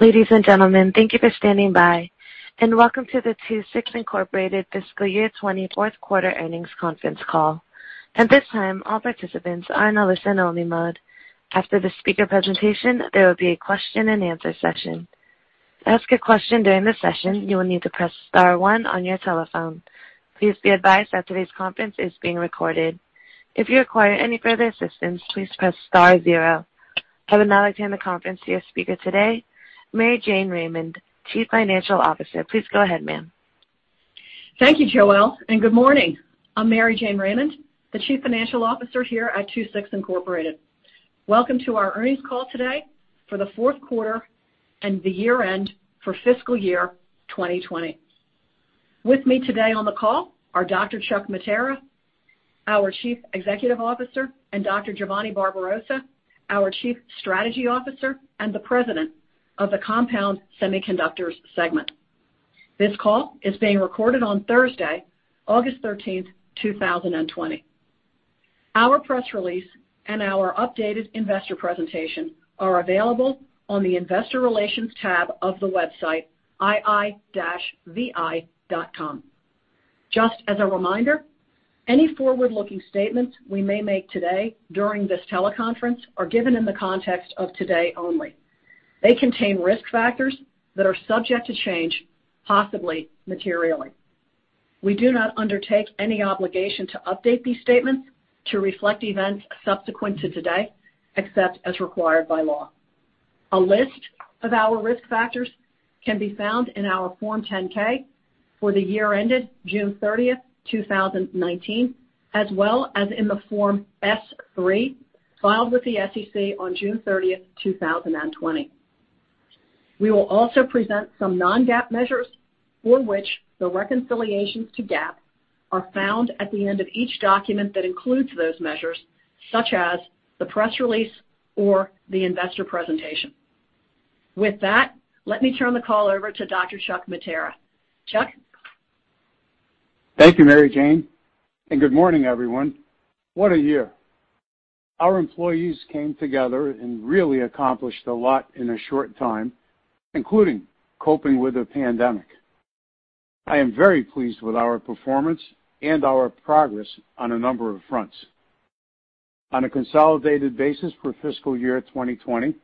Ladies and gentlemen, thank you for standing by, and welcome to the II-VI Fiscal Year 2024 Fourth Quarter Earnings Conference call. At this time, all participants are in a listen-only mode. After the speaker presentation, there will be a question-and-answer session. To ask a question during the session, you will need to press star one on your telephone. Please be advised that today's conference is being recorded. If you require any further assistance, please press star zero. I will now extend the conference to your speaker today, Mary Jane Raymond, Chief Financial Officer. Please go ahead, ma'am. Thank you, Joel, and good morning. I'm Mary Jane Raymond, the Chief Financial Officer here at II-VI. Welcome to our earnings call today for the fourth quarter and the year-end for fiscal year 2020. With me today on the call are Dr. Chuck Mattera, our Chief Executive Officer, and Dr. Giovanni Barbarossa, our Chief Strategy Officer and the President of the Compound Semiconductors segment. This call is being recorded on Thursday, August 13th, 2020. Our press release and our updated investor presentation are available on the Investor Relations tab of the website, ii-vi.com. Just as a reminder, any forward-looking statements we may make today during this teleconference are given in the context of today only. They contain risk factors that are subject to change, possibly materially. We do not undertake any obligation to update these statements to reflect events subsequent to today, except as required by law. A list of our risk factors can be found in our Form 10-K for the year ended June 30th, 2019, as well as in the Form S-3 filed with the SEC on June 30th, 2020. We will also present some non-GAAP measures for which the reconciliations to GAAP are found at the end of each document that includes those measures, such as the press release or the investor presentation. With that, let me turn the call over to Dr. Chuck Mattera. Chuck? Thank you, Mary Jane, and good morning, everyone. What a year. Our employees came together and really accomplished a lot in a short time, including coping with the pandemic. I am very pleased with our performance and our progress on a number of fronts. On a consolidated basis for fiscal year 2020,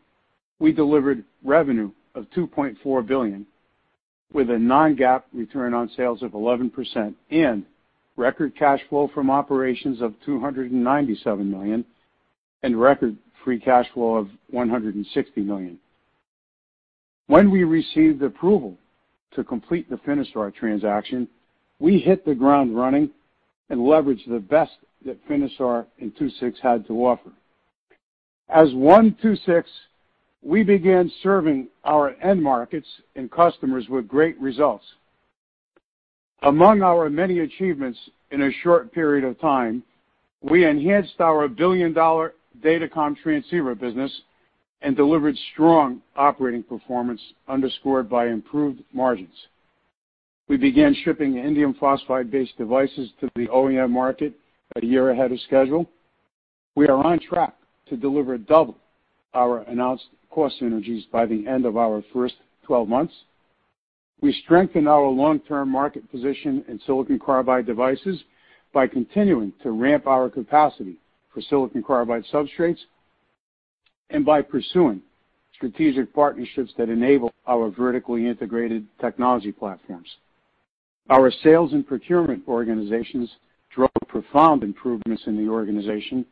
we delivered revenue of $2.4 billion, with a non-GAAP return on sales of 11%, and record cash flow from operations of $297 million, and record free cash flow of $160 million. When we received approval to complete the Finisar transaction, we hit the ground running and leveraged the best that Finisar and II-VI had to offer. As II-VI, we began serving our end markets and customers with great results. Among our many achievements in a short period of time, we enhanced our billion-dollar data comm transceiver business and delivered strong operating performance underscored by improved margins. We began shipping indium phosphide-based devices to the OEM market a year ahead of schedule. We are on track to deliver double our announced cost synergies by the end of our first 12 months. We strengthened our long-term market position in silicon carbide devices by continuing to ramp our capacity for silicon carbide substrates and by pursuing strategic partnerships that enable our vertically integrated technology platforms. Our sales and procurement organizations drove profound improvements in the organization,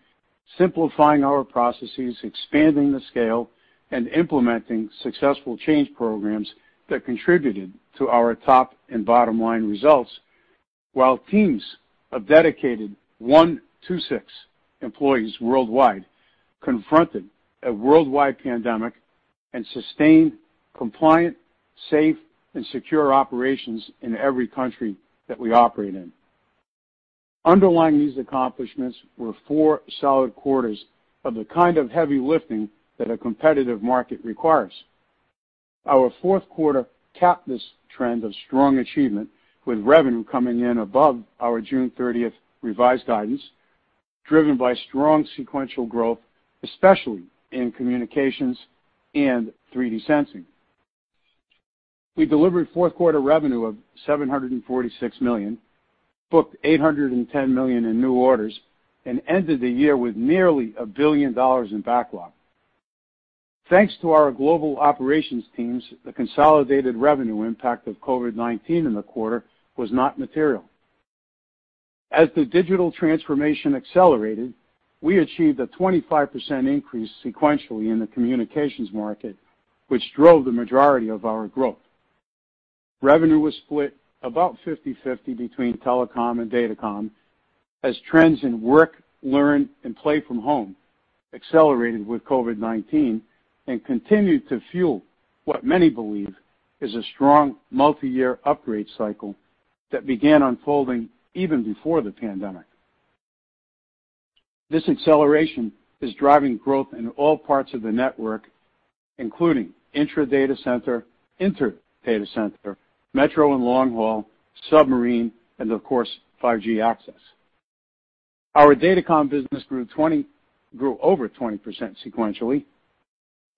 simplifying our processes, expanding the scale, and implementing successful change programs that contributed to our top and bottom line results, while teams of dedicated 126 employees worldwide confronted a worldwide pandemic and sustained compliant, safe, and secure operations in every country that we operate in. Underlying these accomplishments were four solid quarters of the kind of heavy lifting that a competitive market requires. Our fourth quarter capped this trend of strong achievement, with revenue coming in above our June 30th revised guidance, driven by strong sequential growth, especially in communications and 3D sensing. We delivered fourth quarter revenue of $746 million, booked $810 million in new orders, and ended the year with nearly a billion dollars in backlog. Thanks to our global operations teams, the consolidated revenue impact of COVID-19 in the quarter was not material. As the digital transformation accelerated, we achieved a 25% increase sequentially in the communications market, which drove the majority of our growth. Revenue was split about 50/50 between telecom and data comm as trends in work, learn, and play from home accelerated with COVID-19 and continued to fuel what many believe is a strong multi-year upgrade cycle that began unfolding even before the pandemic. This acceleration is driving growth in all parts of the network, including intra data center, inter data center, metro and long haul, submarine, and of course, 5G access. Our data comm business grew over 20% sequentially.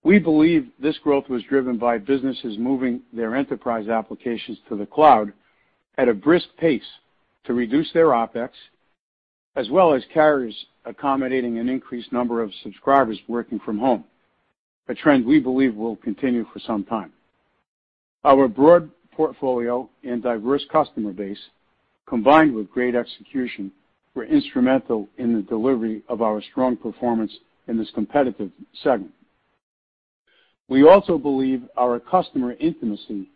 We believe this growth was driven by businesses moving their enterprise applications to the cloud at a brisk pace to reduce their OpEx, as well as carriers accommodating an increased number of subscribers working from home, a trend we believe will continue for some time. Our broad portfolio and diverse customer base, combined with great execution, were instrumental in the delivery of our strong performance in this competitive segment. We also believe our customer intimacy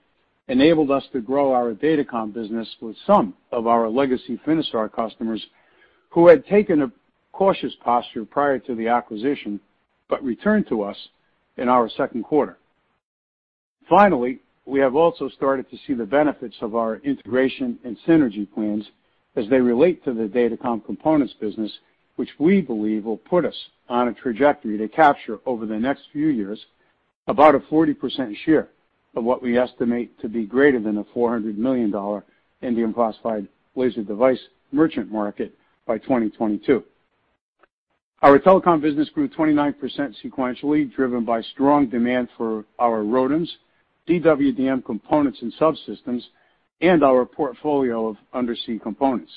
enabled us to grow our data comm business with some of our legacy Finisar customers who had taken a cautious posture prior to the acquisition but returned to us in our second quarter. Finally, we have also started to see the benefits of our integration and synergy plans as they relate to the data comm components business, which we believe will put us on a trajectory to capture over the next few years about a 40% share of what we estimate to be greater than a $400 million indium phosphide laser device merchant market by 2022. Our telecom business grew 29% sequentially, driven by strong demand for our ROADM, DWDM components and subsystems, and our portfolio of undersea components.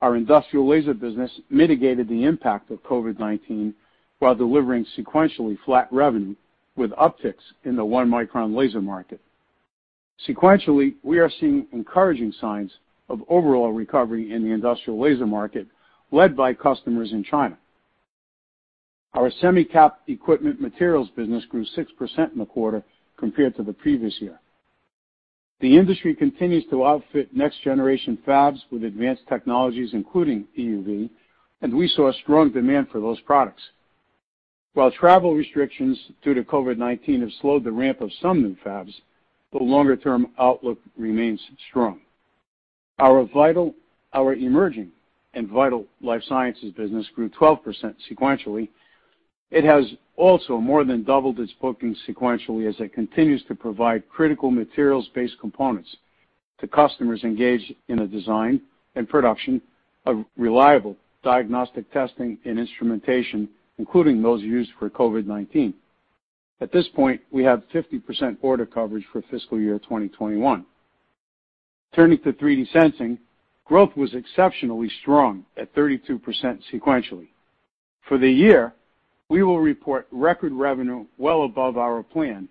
Our industrial laser business mitigated the impact of COVID-19 while delivering sequentially flat revenue with upticks in the one-micron laser market. Sequentially, we are seeing encouraging signs of overall recovery in the industrial laser market, led by customers in China. Our semi-capped equipment materials business grew 6% in the quarter compared to the previous year. The industry continues to outfit next-generation fabs with advanced technologies, including EUV, and we saw strong demand for those products. While travel restrictions due to COVID-19 have slowed the ramp of some new fabs, the longer-term outlook remains strong. Our emerging and vital life sciences business grew 12% sequentially. It has also more than doubled its bookings sequentially as it continues to provide critical materials-based components to customers engaged in the design and production of reliable diagnostic testing and instrumentation, including those used for COVID-19. At this point, we have 50% order coverage for fiscal year 2021. Turning to 3D sensing, growth was exceptionally strong at 32% sequentially. For the year, we will report record revenue well above our plan,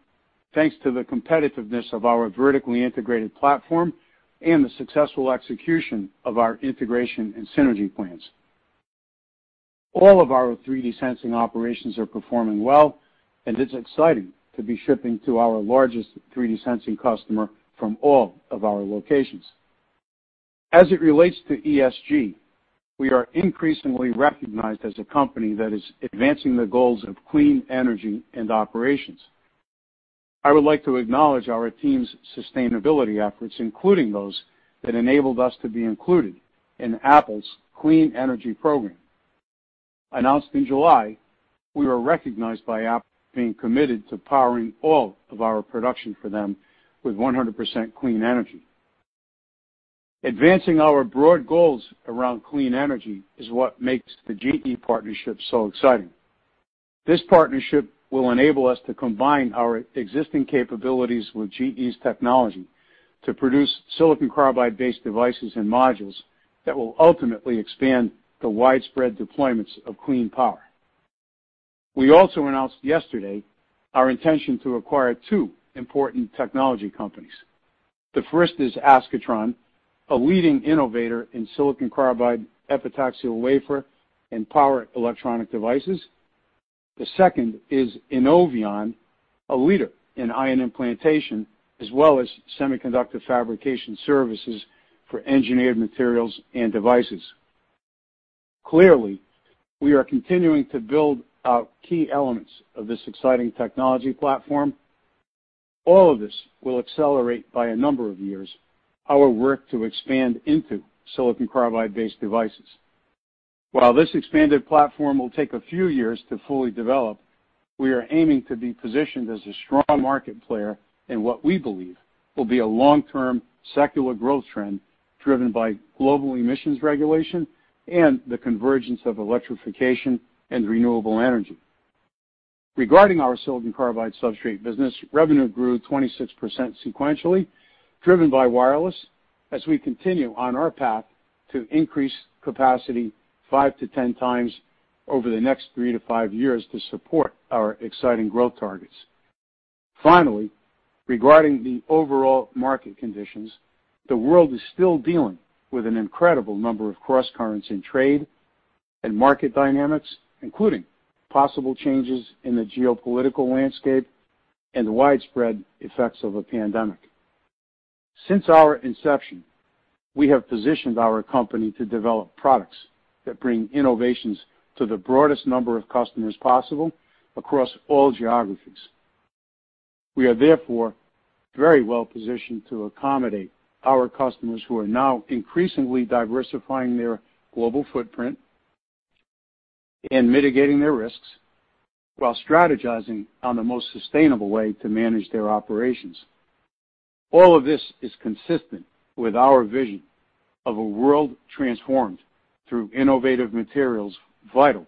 thanks to the competitiveness of our vertically integrated platform and the successful execution of our integration and synergy plans. All of our 3D sensing operations are performing well, and it's exciting to be shipping to our largest 3D sensing customer from all of our locations. As it relates to ESG, we are increasingly recognized as a company that is advancing the goals of clean energy and operations. I would like to acknowledge our team's sustainability efforts, including those that enabled us to be included in Apple's clean energy program. Announced in July, we were recognized by Apple for being committed to powering all of our production for them with 100% clean energy. Advancing our broad goals around clean energy is what makes the GE partnership so exciting. This partnership will enable us to combine our existing capabilities with GE's technology to produce silicon carbide-based devices and modules that will ultimately expand the widespread deployments of clean power. We also announced yesterday our intention to acquire two important technology companies. The first is Ascatron, a leading innovator in silicon carbide epitaxial wafer and power electronic devices. The second is INNOViON, a leader in ion implantation, as well as semiconductor fabrication services for engineered materials and devices. Clearly, we are continuing to build out key elements of this exciting technology platform. All of this will accelerate by a number of years our work to expand into silicon carbide-based devices. While this expanded platform will take a few years to fully develop, we are aiming to be positioned as a strong market player in what we believe will be a long-term secular growth trend driven by global emissions regulation and the convergence of electrification and renewable energy. Regarding our silicon carbide substrate business, revenue grew 26% sequentially, driven by wireless, as we continue on our path to increase capacity five to ten times over the next three to five years to support our exciting growth targets. Finally, regarding the overall market conditions, the world is still dealing with an incredible number of cross currents in trade and market dynamics, including possible changes in the geopolitical landscape and the widespread effects of a pandemic. Since our inception, we have positioned our company to develop products that bring innovations to the broadest number of customers possible across all geographies. We are therefore very well positioned to accommodate our customers who are now increasingly diversifying their global footprint and mitigating their risks while strategizing on the most sustainable way to manage their operations. All of this is consistent with our vision of a world transformed through innovative materials vital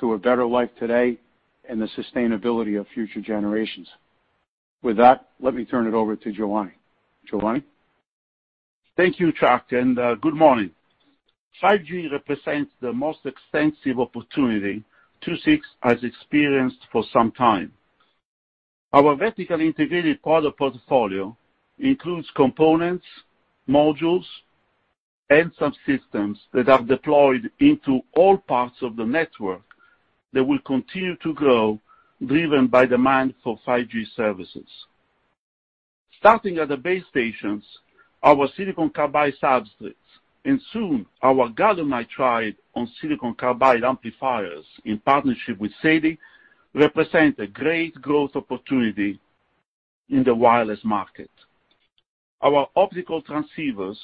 to a better life today and the sustainability of future generations. With that, let me turn it over to Giovanni. Giovanni? Thank you, Chuck, and good morning. 5G represents the most extensive opportunity II-VI has experienced for some time. Our vertically integrated product portfolio includes components, modules, and subsystems that are deployed into all parts of the network that will continue to grow, driven by demand for 5G services. Starting at the base stations, our silicon carbide substrates, and soon our gallium nitride on silicon carbide amplifiers in partnership with SADE represent a great growth opportunity in the wireless market. Our optical transceivers,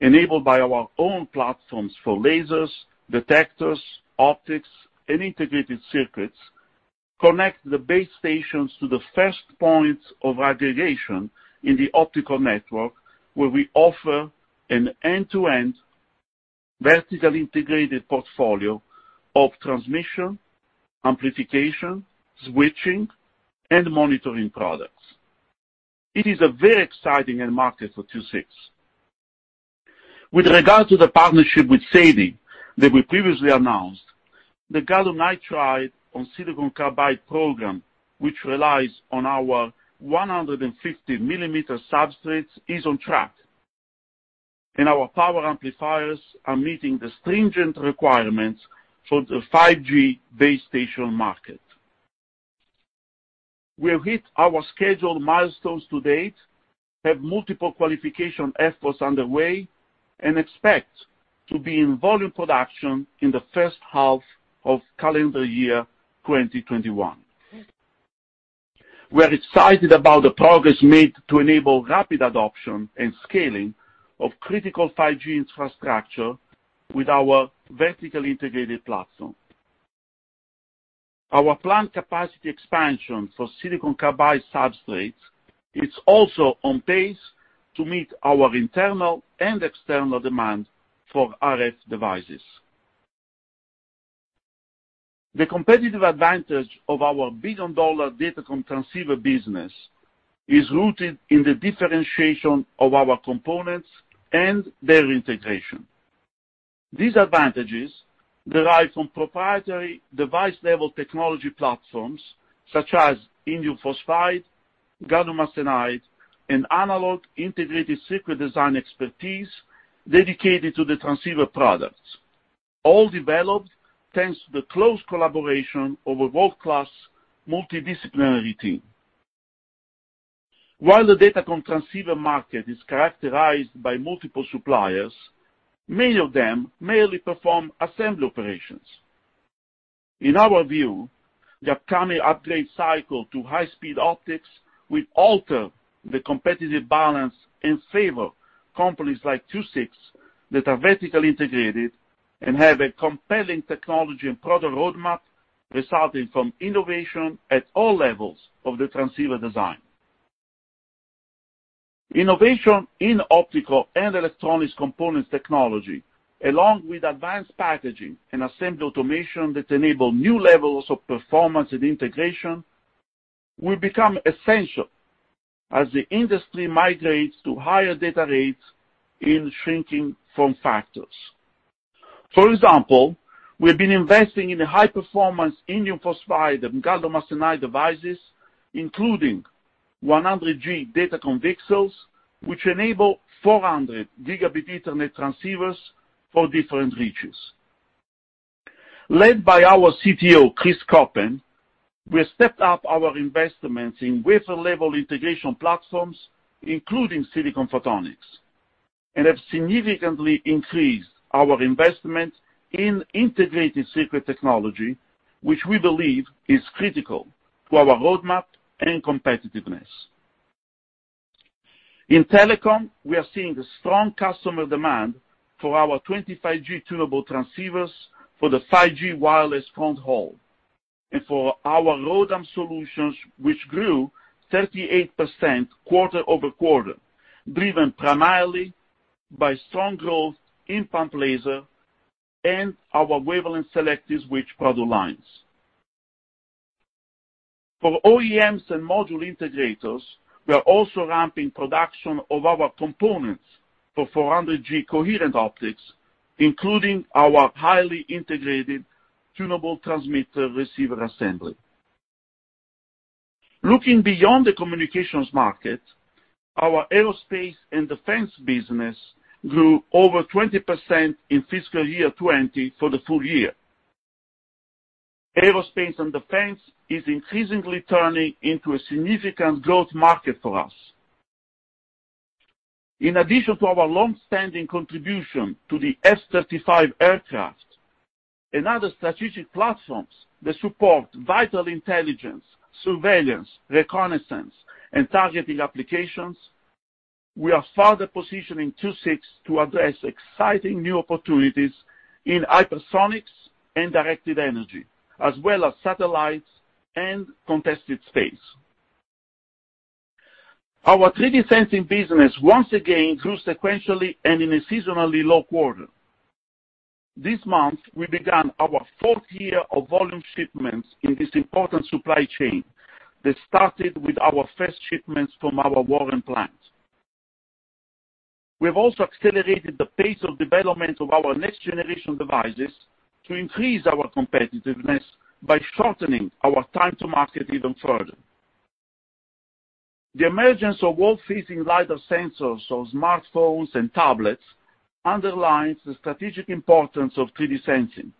enabled by our own platforms for lasers, detectors, optics, and integrated circuits, connect the base stations to the first point of aggregation in the optical network, where we offer an end-to-end vertically integrated portfolio of transmission, amplification, switching, and monitoring products. It is a very exciting market for II-VI. With regard to the partnership with SADE that we previously announced, the galvanized tride on silicon carbide program, which relies on our 150 millimeter substrates, is on track, and our power amplifiers are meeting the stringent requirements for the 5G base station market. We have hit our scheduled milestones to date, have multiple qualification efforts underway, and expect to be in volume production in the first half of calendar year 2021. We are excited about the progress made to enable rapid adoption and scaling of critical 5G infrastructure with our vertically integrated platform. Our planned capacity expansion for silicon carbide substrates is also on pace to meet our internal and external demand for RF devices. The competitive advantage of our billion-dollar data comm transceiver business is rooted in the differentiation of our components and their integration. These advantages derive from proprietary device-level technology platforms such as Indium Phosphide, Gallium Arsenide, and analog integrated circuit design expertise dedicated to the transceiver products, all developed thanks to the close collaboration of a world-class multidisciplinary team. While the data comm transceiver market is characterized by multiple suppliers, many of them merely perform assembly operations. In our view, the upcoming upgrade cycle to high-speed optics will alter the competitive balance in favor of companies like II-VI that are vertically integrated and have a compelling technology and product roadmap resulting from innovation at all levels of the transceiver design. Innovation in optical and electronics components technology, along with advanced packaging and assembly automation that enable new levels of performance and integration, will become essential as the industry migrates to higher data rates and shrinking form factors. For example, we have been investing in high-performance Indium Phosphide and Gallium arsenide devices, including 100G data comm VCSELs, which enable 400-gigabit internet transceivers for different reaches. Led by our CTO, Chris Coppen, we have stepped up our investments in wafer-level integration platforms, including silicon photonics, and have significantly increased our investment in integrated circuit technology, which we believe is critical to our roadmap and competitiveness. In telecom, we are seeing strong customer demand for our 25G tunable transceivers for the 5G wireless front haul and for our ROADM solutions, which grew 38% quarter over quarter, driven primarily by strong growth in pump laser and our Wavelength Selective Switch product lines. For OEMs and module integrators, we are also ramping production of our components for 400G coherent optics, including our highly integrated tunable transmitter receiver assembly. Looking beyond the communications market, our aerospace and defense business grew over 20% in fiscal year 2020 for the full year. Aerospace and defense is increasingly turning into a significant growth market for us. In addition to our long-standing contribution to the F-35 aircraft and other strategic platforms that support vital intelligence, surveillance, reconnaissance, and targeting applications, we are further positioning 2026 to address exciting new opportunities in hypersonics and directed energy, as well as satellites and contested space. Our 3D sensing business once again grew sequentially and in a seasonally low quarter. This month, we began our fourth year of volume shipments in this important supply chain that started with our first shipments from our Warren plant. We have also accelerated the pace of development of our next-generation devices to increase our competitiveness by shortening our time to market even further. The emergence of wall-facing LiDAR sensors on smartphones and tablets underlines the strategic importance of 3D sensing.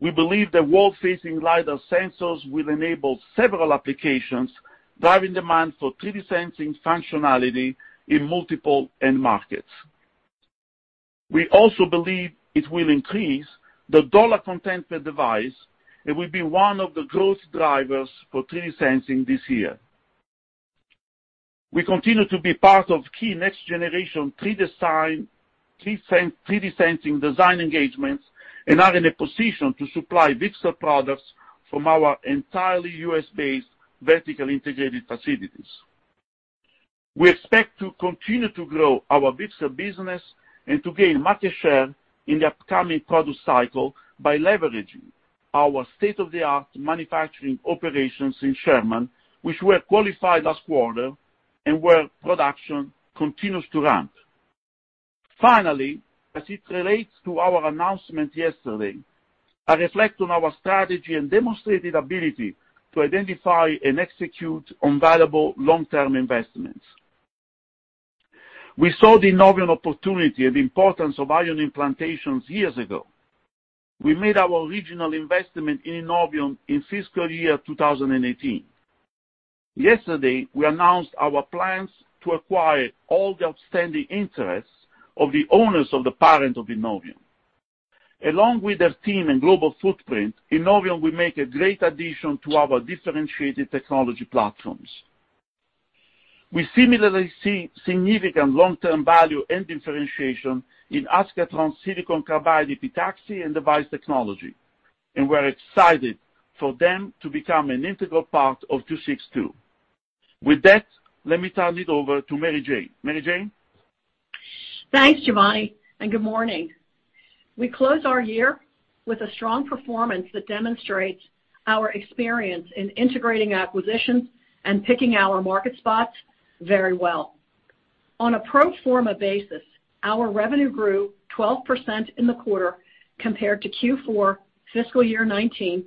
We believe that wall-facing LiDAR sensors will enable several applications, driving demand for 3D sensing functionality in multiple end markets. We also believe it will increase the dollar content per device and will be one of the growth drivers for 3D sensing this year. We continue to be part of key next-generation 3D sensing design engagements and are in a position to supply VCSEL products from our entirely US-based vertically integrated facilities. We expect to continue to grow our VCSEL business and to gain market share in the upcoming product cycle by leveraging our state-of-the-art manufacturing operations in Sherman, which were qualified last quarter and where production continues to ramp. Finally, as it relates to our announcement yesterday, I reflect on our strategy and demonstrated ability to identify and execute on valuable long-term investments. We saw the INNOViON opportunity and importance of ion implantations years ago. We made our original investment in INNOViON in fiscal year 2018. Yesterday, we announced our plans to acquire all the outstanding interests of the owners of the parent of INNOViON. Along with their team and global footprint, INNOViON will make a great addition to our differentiated technology platforms. We similarly see significant long-term value and differentiation in Ascatron's silicon carbide epitaxy and device technology, and we are excited for them to become an integral part of 26 too. With that, let me turn it over to Mary Jane. Mary Jane? Thanks, Giovanni, and good morning. We close our year with a strong performance that demonstrates our experience in integrating acquisitions and picking our market spots very well. On a pro forma basis, our revenue grew 12% in the quarter compared to Q4 fiscal year 2019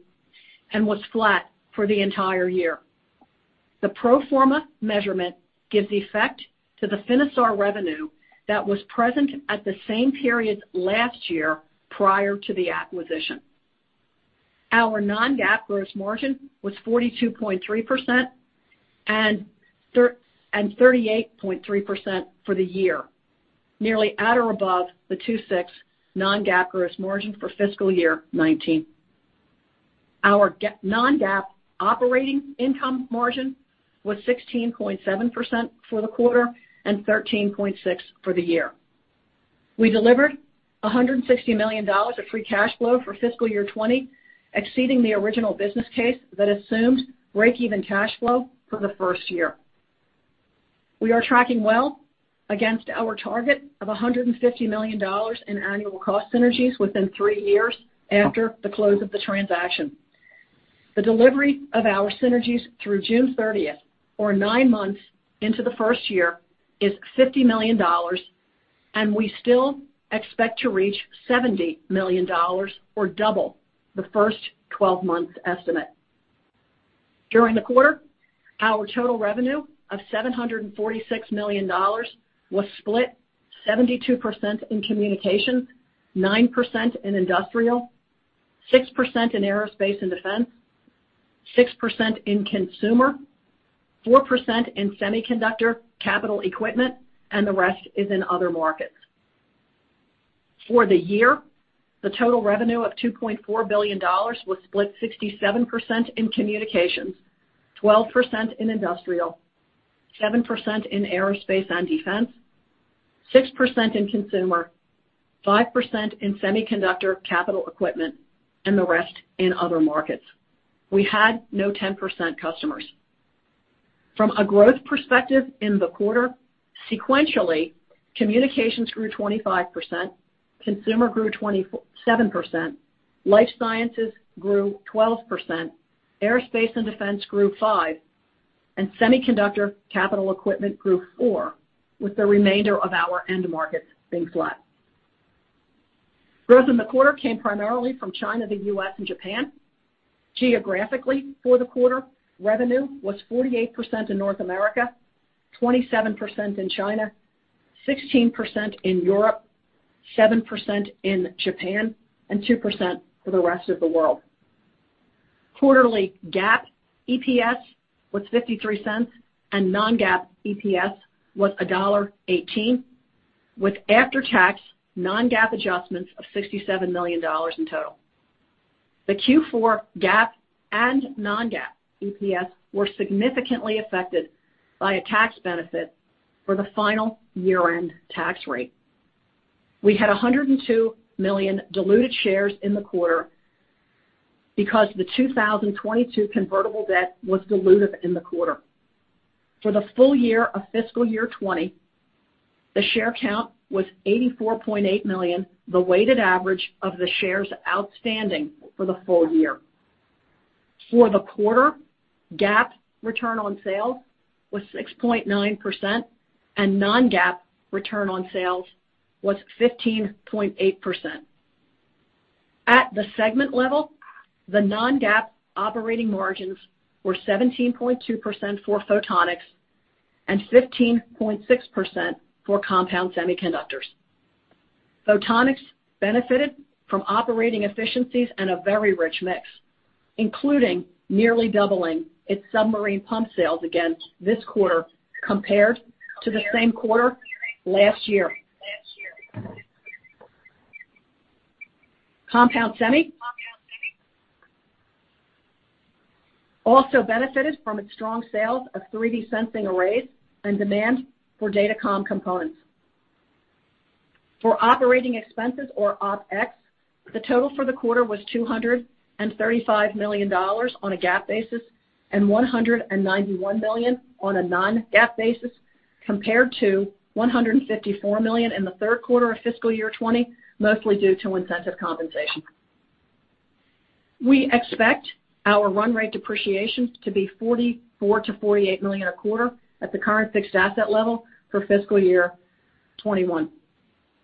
and was flat for the entire year. The pro forma measurement gives effect to the finished revenue that was present at the same period last year prior to the acquisition. Our non-GAAP gross margin was 42.3% and 38.3% for the year, nearly at or above the 26% non-GAAP gross margin for fiscal year 2019. Our non-GAAP operating income margin was 16.7% for the quarter and 13.6% for the year. We delivered $160 million of free cash flow for fiscal year 2020, exceeding the original business case that assumed break-even cash flow for the first year. We are tracking well against our target of $150 million in annual cost synergies within three years after the close of the transaction. The delivery of our synergies through June 30th, or nine months into the first year, is $50 million, and we still expect to reach $70 million or double the first 12 months estimate. During the quarter, our total revenue of $746 million was split 72% in communications, 9% in industrial, 6% in aerospace and defense, 6% in consumer, 4% in semiconductor capital equipment, and the rest is in other markets. For the year, the total revenue of $2.4 billion was split 67% in communications, 12% in industrial, 7% in aerospace and defense, 6% in consumer, 5% in semiconductor capital equipment, and the rest in other markets. We had no 10% customers. From a growth perspective in the quarter, sequentially, communications grew 25%, consumer grew 27%, life sciences grew 12%, aerospace and defense grew 5%, and semiconductor capital equipment grew 4%, with the remainder of our end markets being flat. Growth in the quarter came primarily from China, the U.S., and Japan. Geographically, for the quarter, revenue was 48% in North America, 27% in China, 16% in Europe, 7% in Japan, and 2% for the rest of the world. Quarterly GAAP EPS was $0.53, and non-GAAP EPS was $1.18, with after-tax non-GAAP adjustments of $67 million in total. The Q4 GAAP and non-GAAP EPS were significantly affected by a tax benefit for the final year-end tax rate. We had 102 million diluted shares in the quarter because the 2022 convertible debt was diluted in the quarter. For the full year of fiscal year 2020, the share count was 84.8 million, the weighted average of the shares outstanding for the full year. For the quarter, GAAP return on sales was 6.9%, and non-GAAP return on sales was 15.8%. At the segment level, the non-GAAP operating margins were 17.2% for photonics and 15.6% for compound semiconductors. Photonics benefited from operating efficiencies and a very rich mix, including nearly doubling its submarine pump sales again this quarter compared to the same quarter last year. Compound semi also benefited from its strong sales of 3D sensing arrays and demand for data comm components. For operating expenses, or OpEx, the total for the quarter was $235 million on a GAAP basis and $191 million on a non-GAAP basis, compared to $154 million in the third quarter of fiscal year 2020, mostly due to incentive compensation. We expect our run rate depreciation to be $44 million-$48 million a quarter at the current fixed asset level for fiscal year 2021.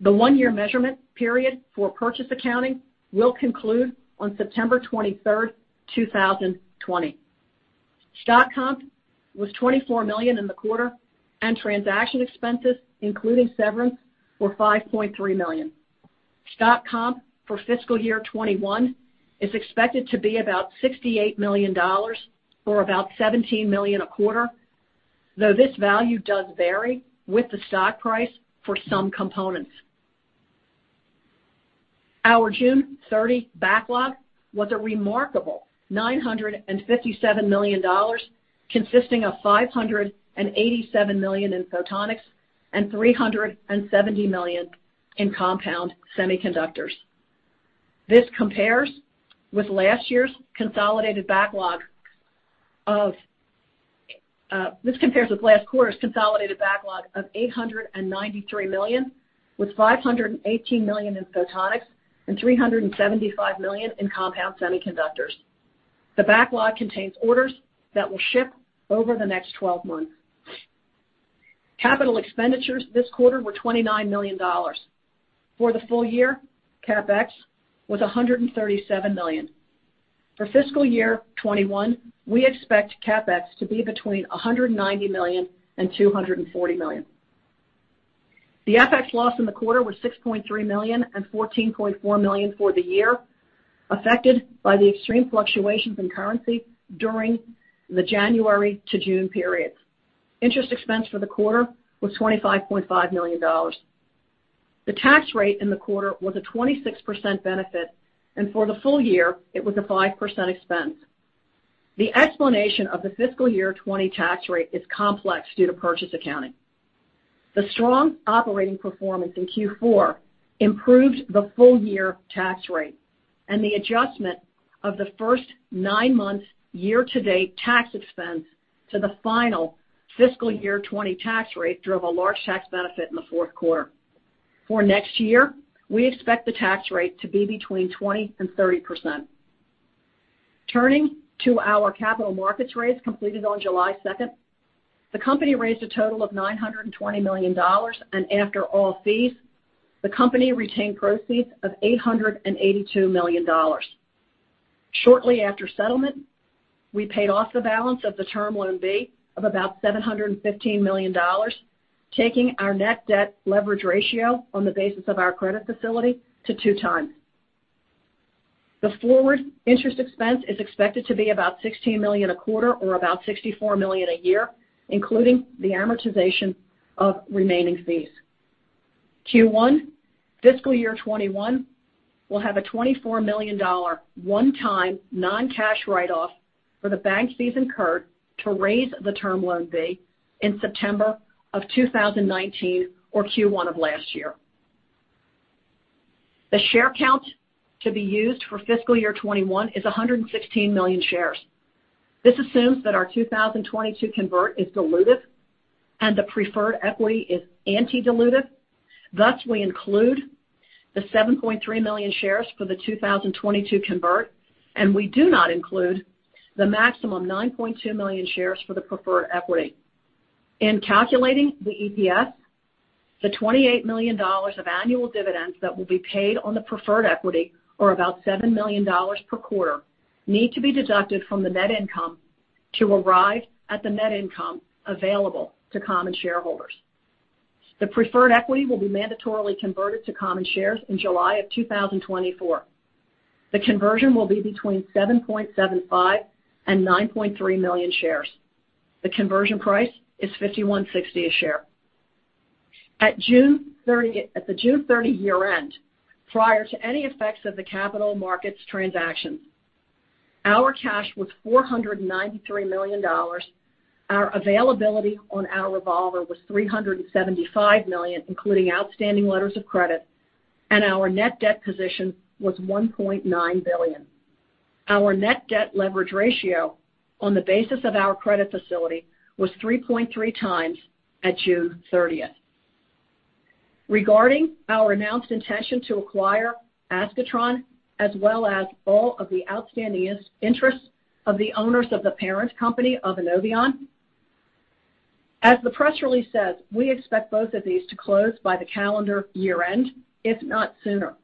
The one-year measurement period for purchase accounting will conclude on September 23rd, 2020. Stock comp was $24 million in the quarter, and transaction expenses, including severance, were $5.3 million. Stock comp for fiscal year 2021 is expected to be about $68 million or about $17 million a quarter, though this value does vary with the stock price for some components. Our June 30th backlog was a remarkable $957 million, consisting of $587 million in photonics and $370 million in compound semiconductors. This compares with last quarter's consolidated backlog of $893 million, with $518 million in photonics and $375 million in compound semiconductors. The backlog contains orders that will ship over the next 12 months. Capital expenditures this quarter were $29 million. For the full year, CapEx was $137 million. For fiscal year 2021, we expect CapEx to be between $190 million and $240 million. The FX loss in the quarter was $6.3 million and $14.4 million for the year, affected by the extreme fluctuations in currency during the January to June periods. Interest expense for the quarter was $25.5 million. The tax rate in the quarter was a 26% benefit, and for the full year, it was a 5% expense. The explanation of the fiscal year 2020 tax rate is complex due to purchase accounting. The strong operating performance in Q4 improved the full year tax rate, and the adjustment of the first nine months' year-to-date tax expense to the final fiscal year 2020 tax rate drove a large tax benefit in the fourth quarter. For next year, we expect the tax rate to be between 20% and 30%. Turning to our capital markets raise completed on July 2nd, the company raised a total of $920 million, and after all fees, the company retained proceeds of $882 million. Shortly after settlement, we paid off the balance of the term loan B of about $715 million, taking our net debt leverage ratio on the basis of our credit facility to two times. The forward interest expense is expected to be about $16 million a quarter or about $64 million a year, including the amortization of remaining fees. Q1 fiscal year 2021 will have a $24 million one-time non-cash write-off for the bank fees incurred to raise the term loan B in September of 2019 or Q1 of last year. The share count to be used for fiscal year 2021 is 116 million shares. This assumes that our 2022 convert is diluted and the preferred equity is anti-dilutive. Thus, we include the 7.3 million shares for the 2022 convert, and we do not include the maximum 9.2 million shares for the preferred equity. In calculating the EPS, the $28 million of annual dividends that will be paid on the preferred equity or about $7 million per quarter need to be deducted from the net income to arrive at the net income available to common shareholders. The preferred equity will be mandatorily converted to common shares in July of 2024. The conversion will be between 7.75-9.3 million shares. The conversion price is $51.60 a share. At the June 30th year-end, prior to any effects of the capital markets transactions, our cash was $493 million. Our availability on our revolver was $375 million, including outstanding letters of credit, and our net debt position was $1.9 billion. Our net debt leverage ratio on the basis of our credit facility was 3.3 times at June 30th. Regarding our announced intention to acquire Ascatron, as well as all of the outstanding interests of the owners of the parent company of INNOViON, as the press release says, we expect both of these to close by the calendar year-end, if not sooner.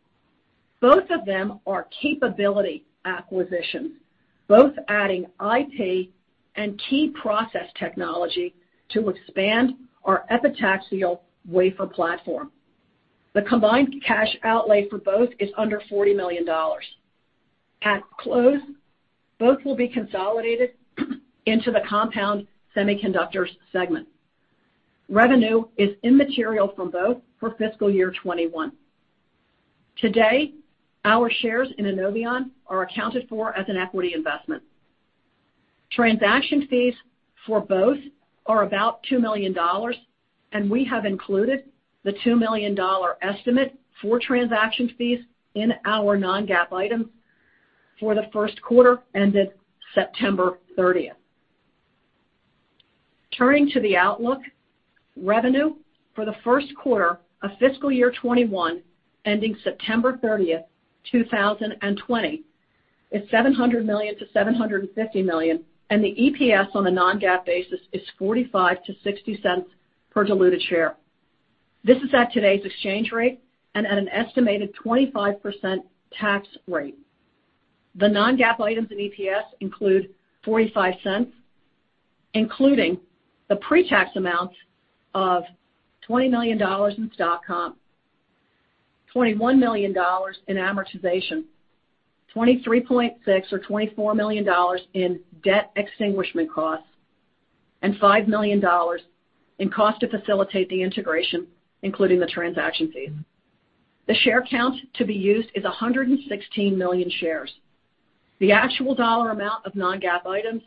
Both of them are capability acquisitions, both adding IP and key process technology to expand our epitaxial wafer platform. The combined cash outlay for both is under $40 million. At close, both will be consolidated into the compound semiconductors segment. Revenue is immaterial from both for fiscal year 2021. Today, our shares in INNOViON are accounted for as an equity investment. Transaction fees for both are about $2 million, and we have included the $2 million estimate for transaction fees in our non-GAAP items for the first quarter ended September 30th. Turning to the outlook, revenue for the first quarter of fiscal year 2021 ending September 30th, 2020, is $700 million-$750 million, and the EPS on a non-GAAP basis is $0.45-$0.60 per diluted share. This is at today's exchange rate and at an estimated 25% tax rate. The non-GAAP items in EPS include $0.45, including the pre-tax amounts of $20 million in stock comp, $21 million in amortization, $23.6 or $24 million in debt extinguishment costs, and $5 million in cost to facilitate the integration, including the transaction fees. The share count to be used is 116 million shares. The actual dollar amount of non-GAAP items,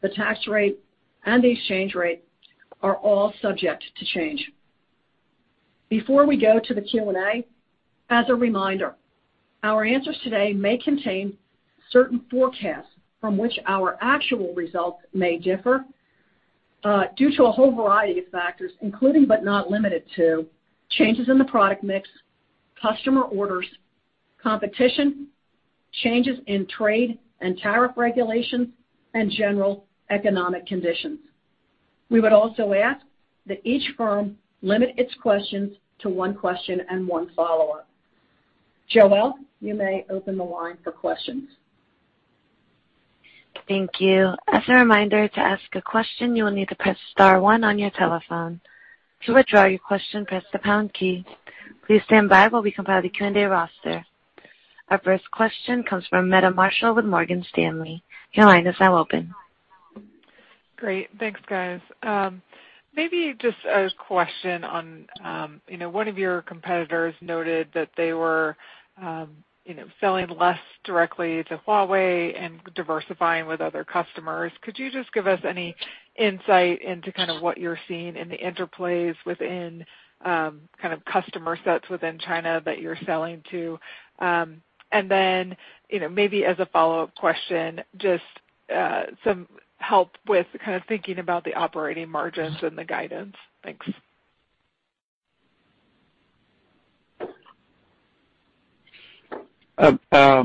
the tax rate, and the exchange rate are all subject to change. Before we go to the Q&A, as a reminder, our answers today may contain certain forecasts from which our actual results may differ due to a whole variety of factors, including but not limited to changes in the product mix, customer orders, competition, changes in trade and tariff regulations, and general economic conditions. We would also ask that each firm limit its questions to one question and one follow-up. Joel, you may open the line for questions. Thank you. As a reminder, to ask a question, you will need to press star one on your telephone. To withdraw your question, press the pound key. Please stand by while we compile the Q&A roster. Our first question comes from Meta Marshall with Morgan Stanley. Your line is now open. Great. Thanks, guys. Maybe just a question on one of your competitors noted that they were selling less directly to Huawei and diversifying with other customers. Could you just give us any insight into kind of what you're seeing in the interplays within kind of customer sets within China that you're selling to? Maybe as a follow-up question, just some help with kind of thinking about the operating margins and the guidance. Thanks. Hi,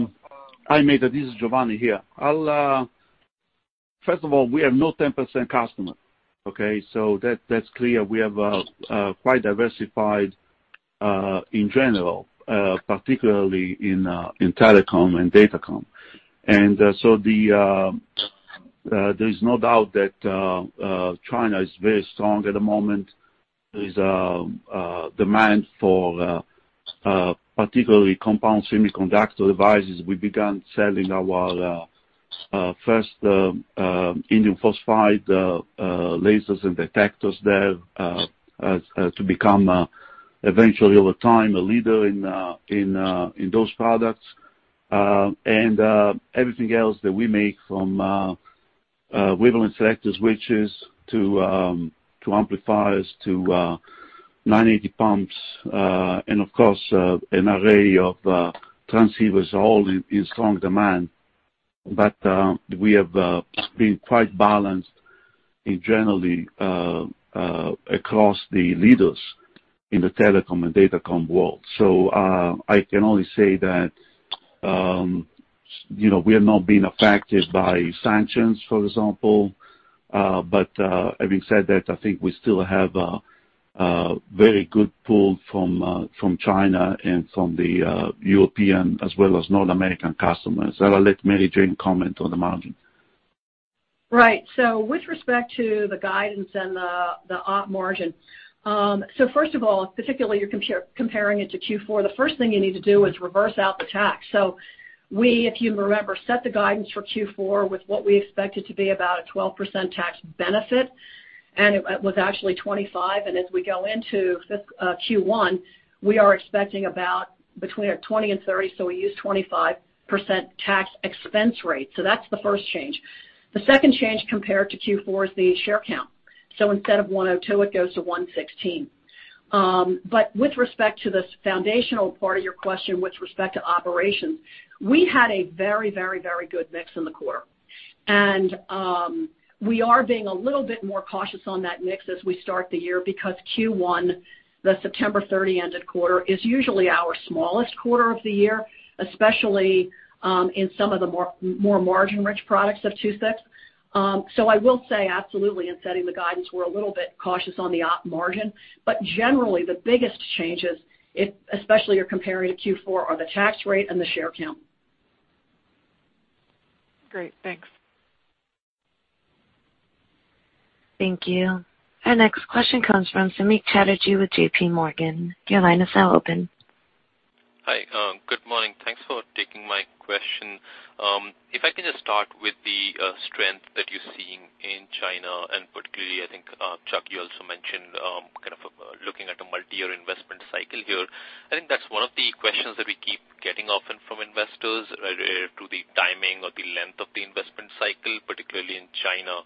Meta. This is Giovanni here. First of all, we are no 10% customer, okay? That is clear. We have quite diversified in general, particularly in telecom and data com. There is no doubt that China is very strong at the moment. There is demand for particularly compound semiconductor devices. We began selling our first indium phosphide lasers and detectors there to become eventually, over time, a leader in those products. Everything else that we make from wavelength selective switches to amplifiers to 980 pumps, and of course, an array of transceivers are all in strong demand. We have been quite balanced in general across the leaders in the telecom and data com world. I can only say that we have not been affected by sanctions, for example. Having said that, I think we still have a very good pull from China and from the European as well as North American customers. I'll let Mary Jane comment on the margin. Right. With respect to the guidance and the op margin, first of all, particularly if you're comparing it to Q4, the first thing you need to do is reverse out the tax. If you remember, we set the guidance for Q4 with what we expected to be about a 12% tax benefit, and it was actually 25%. As we go into Q1, we are expecting about between a 20-30%, so we use a 25% tax expense rate. That's the first change. The second change compared to Q4 is the share count. Instead of 102, it goes to 116. With respect to the foundational part of your question with respect to operations, we had a very, very, very good mix in the quarter. We are being a little bit more cautious on that mix as we start the year because Q1, the September 30th ended quarter, is usually our smallest quarter of the year, especially in some of the more margin-rich products of two-sixths. I will say absolutely in setting the guidance, we're a little bit cautious on the op margin. Generally, the biggest changes, especially if you're comparing to Q4, are the tax rate and the share count. Great. Thanks. Thank you. Our next question comes from Samik Chatterjee with JPMorgan. Your line is now open. Hi. Good morning. Thanks for taking my question. If I can just start with the strength that you're seeing in China, and particularly, I think Chuck, you also mentioned kind of looking at a multi-year investment cycle here. I think that's one of the questions that we keep getting often from investors to the timing or the length of the investment cycle, particularly in China.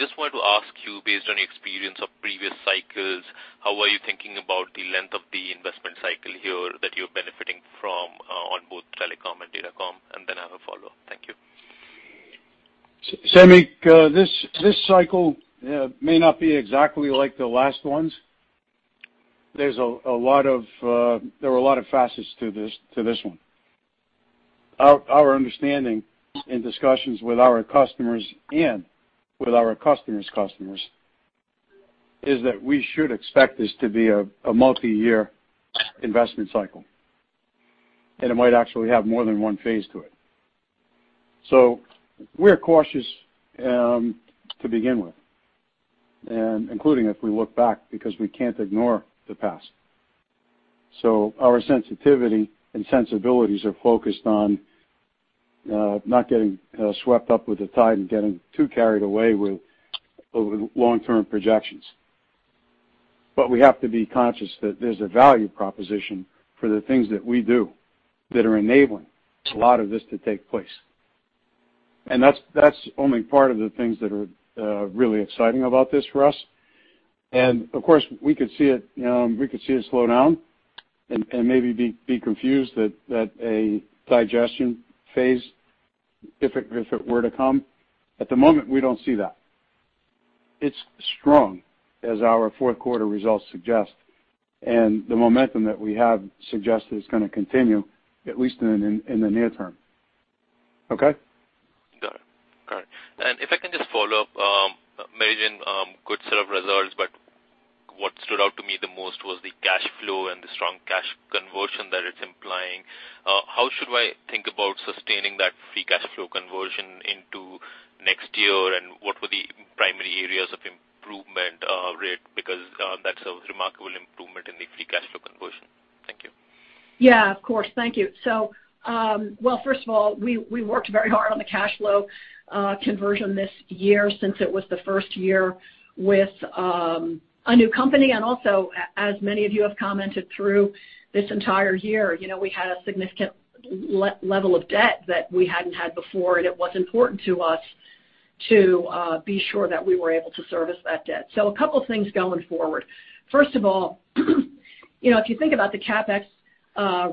Just wanted to ask you, based on your experience of previous cycles, how are you thinking about the length of the investment cycle here that you're benefiting from on both telecom and data com? I have a follow-up. Thank you. Samik, this cycle may not be exactly like the last ones. There were a lot of facets to this one. Our understanding in discussions with our customers and with our customers' customers is that we should expect this to be a multi-year investment cycle, and it might actually have more than one phase to it. We are cautious to begin with, including if we look back because we cannot ignore the past. Our sensitivity and sensibilities are focused on not getting swept up with the tide and getting too carried away with long-term projections. We have to be conscious that there is a value proposition for the things that we do that are enabling a lot of this to take place. That is only part of the things that are really exciting about this for us. Of course, we could see it slow down and maybe be confused that a digestion phase, if it were to come. At the moment, we do not see that. It is strong, as our fourth quarter results suggest, and the momentum that we have suggested is going to continue, at least in the near term. Okay? Got it. Got it. If I can just follow up, Mary Jane, good set of results, but what stood out to me the most was the cash flow and the strong cash conversion that it's implying. How should I think about sustaining that free cash flow conversion into next year, and what were the primary areas of improvement rate? Because that's a remarkable improvement in the free cash flow conversion. Thank you. Yeah, of course. Thank you. First of all, we worked very hard on the cash flow conversion this year since it was the first year with a new company. Also, as many of you have commented through this entire year, we had a significant level of debt that we had not had before, and it was important to us to be sure that we were able to service that debt. A couple of things going forward. First of all, if you think about the CapEx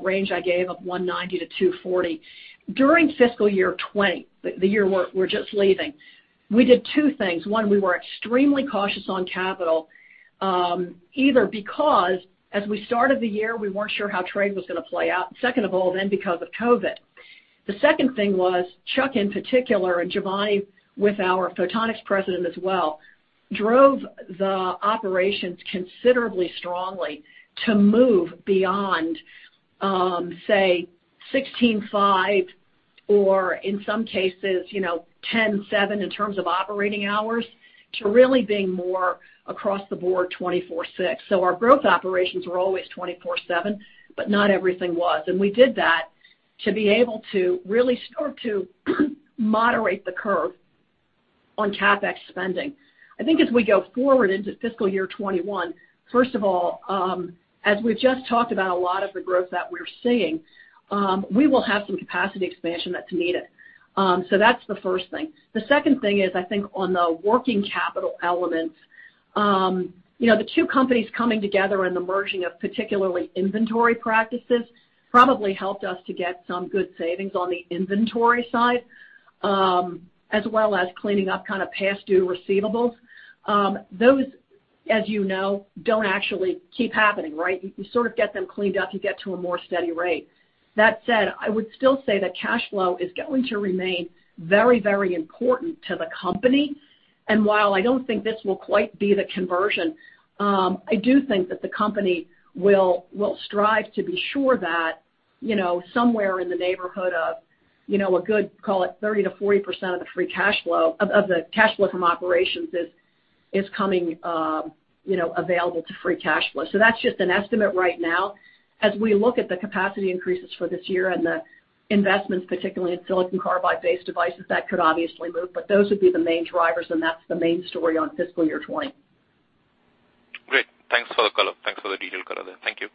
range I gave of $190 million-$240 million, during fiscal year 2020, the year we are just leaving, we did two things. One, we were extremely cautious on capital, either because as we started the year, we were not sure how trade was going to play out. Second of all, then because of COVID. The second thing was Chuck in particular, and Giovanni with our photonics president as well, drove the operations considerably strongly to move beyond, say, 16.5 or in some cases, 10.7 in terms of operating hours to really being more across the board 24/6. Our growth operations were always 24/7, but not everything was. We did that to be able to really start to moderate the curve on CapEx spending. I think as we go forward into fiscal year 2021, first of all, as we have just talked about a lot of the growth that we are seeing, we will have some capacity expansion that is needed. That is the first thing. The second thing is, I think on the working capital elements, the two companies coming together and the merging of particularly inventory practices probably helped us to get some good savings on the inventory side, as well as cleaning up kind of past due receivables. Those, as you know, do not actually keep happening, right? You sort of get them cleaned up. You get to a more steady rate. That said, I would still say that cash flow is going to remain very, very important to the company. While I do not think this will quite be the conversion, I do think that the company will strive to be sure that somewhere in the neighborhood of a good, call it 30-40% of the free cash flow of the cash flow from operations is coming available to free cash flow. That is just an estimate right now. As we look at the capacity increases for this year and the investments, particularly in silicon carbide-based devices, that could obviously move. Those would be the main drivers, and that's the main story on fiscal year 2020. Great. Thanks for the color. Thanks for the detailed color there. Thank you.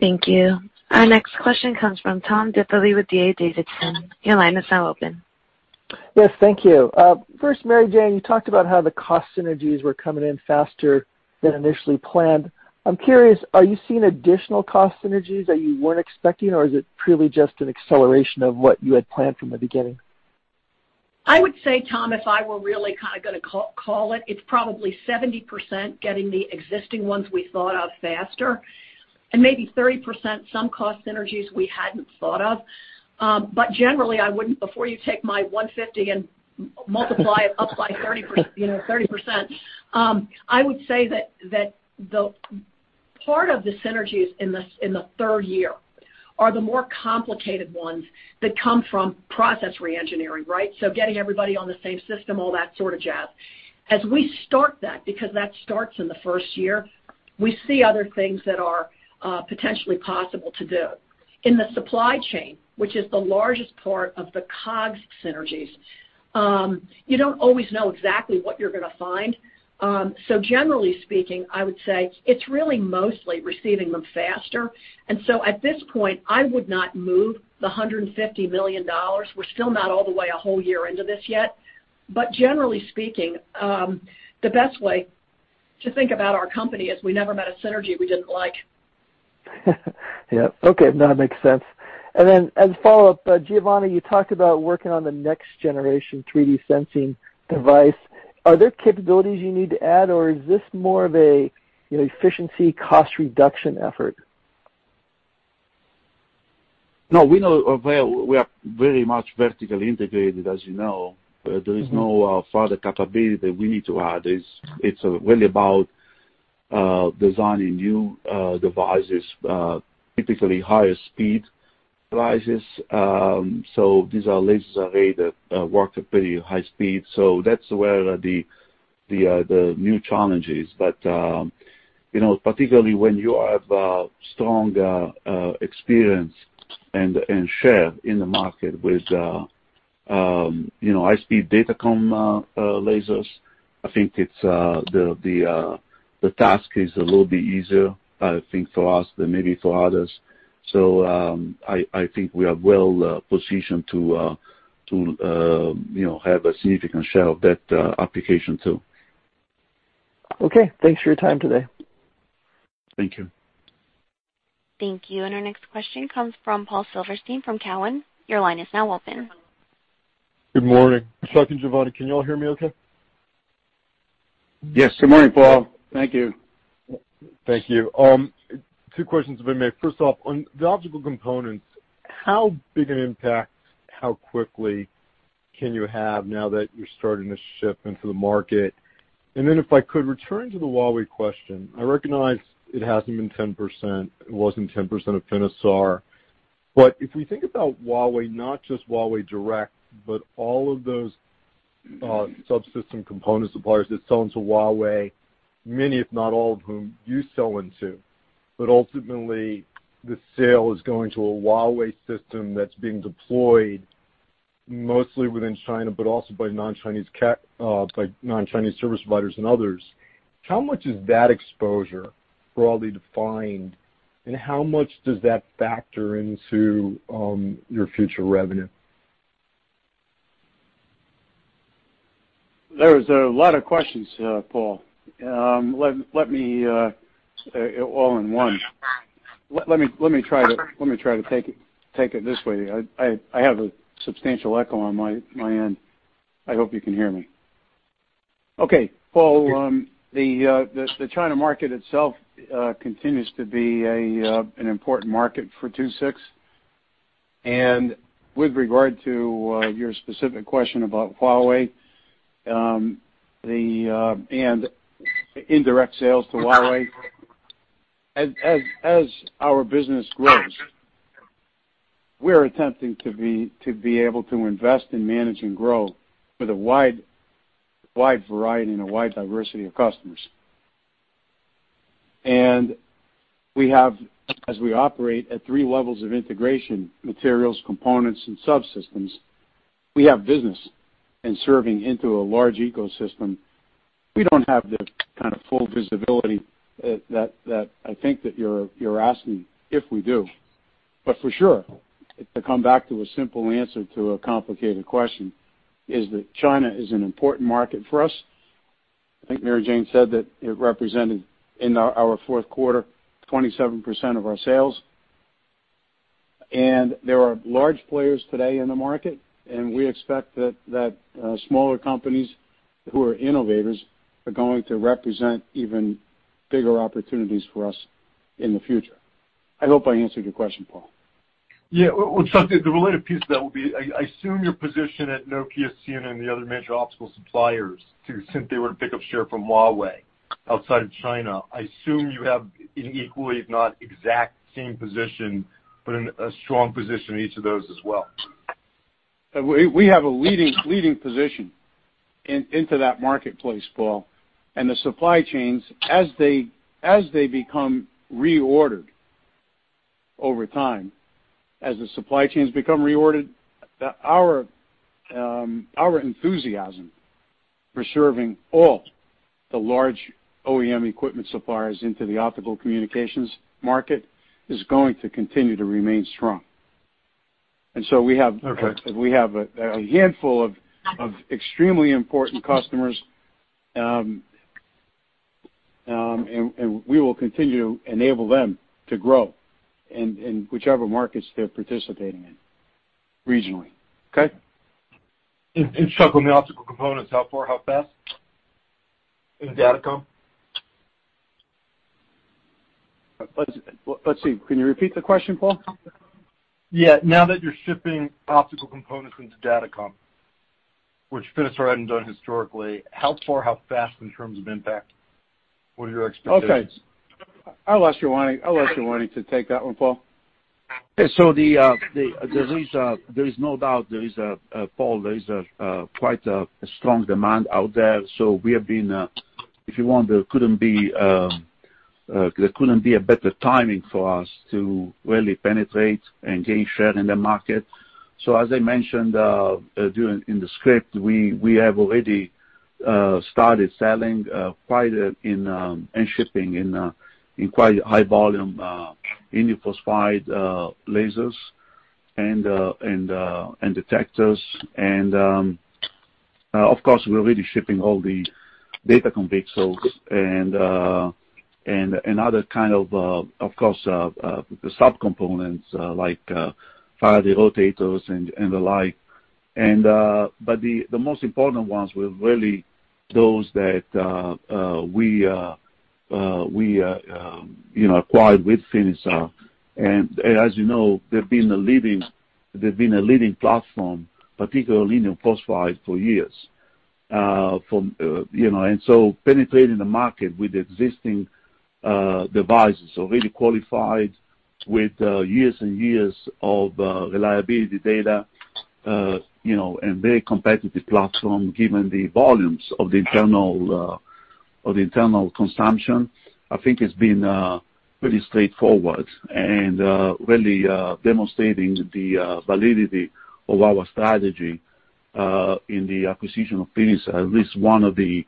Thank you. Our next question comes from Tom Diffeley with DA Davidson. Your line is now open. Yes, thank you. First, Mary Jane, you talked about how the cost synergies were coming in faster than initially planned. I'm curious, are you seeing additional cost synergies that you weren't expecting, or is it purely just an acceleration of what you had planned from the beginning? I would say, Tom, if I were really kind of going to call it, it's probably 70% getting the existing ones we thought of faster and maybe 30% some cost synergies we hadn't thought of. Generally, I wouldn't, before you take my $150 and multiply it up by 30%, I would say that part of the synergies in the third year are the more complicated ones that come from process reengineering, right? Getting everybody on the same system, all that sort of jazz. As we start that, because that starts in the first year, we see other things that are potentially possible to do. In the supply chain, which is the largest part of the COGs synergies, you don't always know exactly what you're going to find. Generally speaking, I would say it's really mostly receiving them faster. At this point, I would not move the $150 million. We're still not all the way a whole year into this yet. Generally speaking, the best way to think about our company is we never met a synergy we didn't like. Yeah. Okay. No, that makes sense. As a follow-up, Giovanni, you talked about working on the next generation 3D sensing device. Are there capabilities you need to add, or is this more of an efficiency cost reduction effort? No, we are very much vertically integrated, as you know. There is no further capability that we need to add. It is really about designing new devices, typically higher speed devices. These are lasers that work at pretty high speed. That is where the new challenge is. Particularly when you have strong experience and share in the market with high-speed data comm lasers, I think the task is a little bit easier, I think, for us than maybe for others. I think we are well positioned to have a significant share of that application too. Okay. Thanks for your time today. Thank you. Thank you. Our next question comes from Paul Silverstein from Cowen. Your line is now open. Good morning. Chuck and Giovanni, can you all hear me okay? Yes. Good morning, Paul. Thank you. Thank you. Two questions have been made. First off, on the optical components, how big an impact, how quickly can you have now that you're starting to ship into the market? If I could return to the Huawei question, I recognize it hasn't been 10%, it wasn't 10% of Finisar. If we think about Huawei, not just Huawei direct, but all of those subsystem component suppliers that sell into Huawei, many, if not all of whom you sell into, but ultimately the sale is going to a Huawei system that's being deployed mostly within China, but also by non-Chinese service providers and others. How much is that exposure broadly defined, and how much does that factor into your future revenue? There is a lot of questions, Paul. Let me all in one. Let me try to take it this way. I have a substantial echo on my end. I hope you can hear me. The China market itself continues to be an important market for II-VI. With regard to your specific question about Huawei and indirect sales to Huawei, as our business grows, we're attempting to be able to invest and manage and grow with a wide variety and a wide diversity of customers. As we operate at three levels of integration, materials, components, and subsystems, we have business and serving into a large ecosystem. We don't have the kind of full visibility that I think that you're asking if we do. For sure, to come back to a simple answer to a complicated question is that China is an important market for us. I think Mary Jane said that it represented in our fourth quarter, 27% of our sales. There are large players today in the market, and we expect that smaller companies who are innovators are going to represent even bigger opportunities for us in the future. I hope I answered your question, Paul. Yeah. the related piece to that would be, I assume your position at Nokia, Ciena, and the other major optical suppliers too, since they were to pick up share from Huawei outside of China, I assume you have an equally, if not exact same position, but a strong position in each of those as well. We have a leading position into that marketplace, Paul. As the supply chains become reordered over time, as the supply chains become reordered, our enthusiasm for serving all the large OEM equipment suppliers into the optical communications market is going to continue to remain strong. We have a handful of extremely important customers, and we will continue to enable them to grow in whichever markets they're participating in regionally. Okay. Chuck, on the optical components, how far? How fast? In data com? Let's see. Can you repeat the question, Paul? Yeah. Now that you're shipping optical components into data comm, which Finisar hadn't done historically, how far? How fast in terms of impact? What are your expectations? Okay. I'll ask Giovanni. I'll ask Giovanni to take that one, Paul. There is no doubt, Paul, there is quite a strong demand out there. We have been, if you want, there could not be a better timing for us to really penetrate and gain share in the market. As I mentioned in the script, we have already started selling and shipping in quite high volume Indium Phosphide lasers and detectors. Of course, we're already shipping all the data comm pixels and other kind of, of course, subcomponents like Faraday rotators and the like. The most important ones were really those that we acquired with Finisar. As you know, they've been a leading platform, particularly Indium Phosphide, for years. Penetrating the market with existing devices already qualified with years and years of reliability data and a very competitive platform, given the volumes of the internal consumption, I think it's been pretty straightforward and really demonstrating the validity of our strategy in the acquisition of Finisar, at least one of the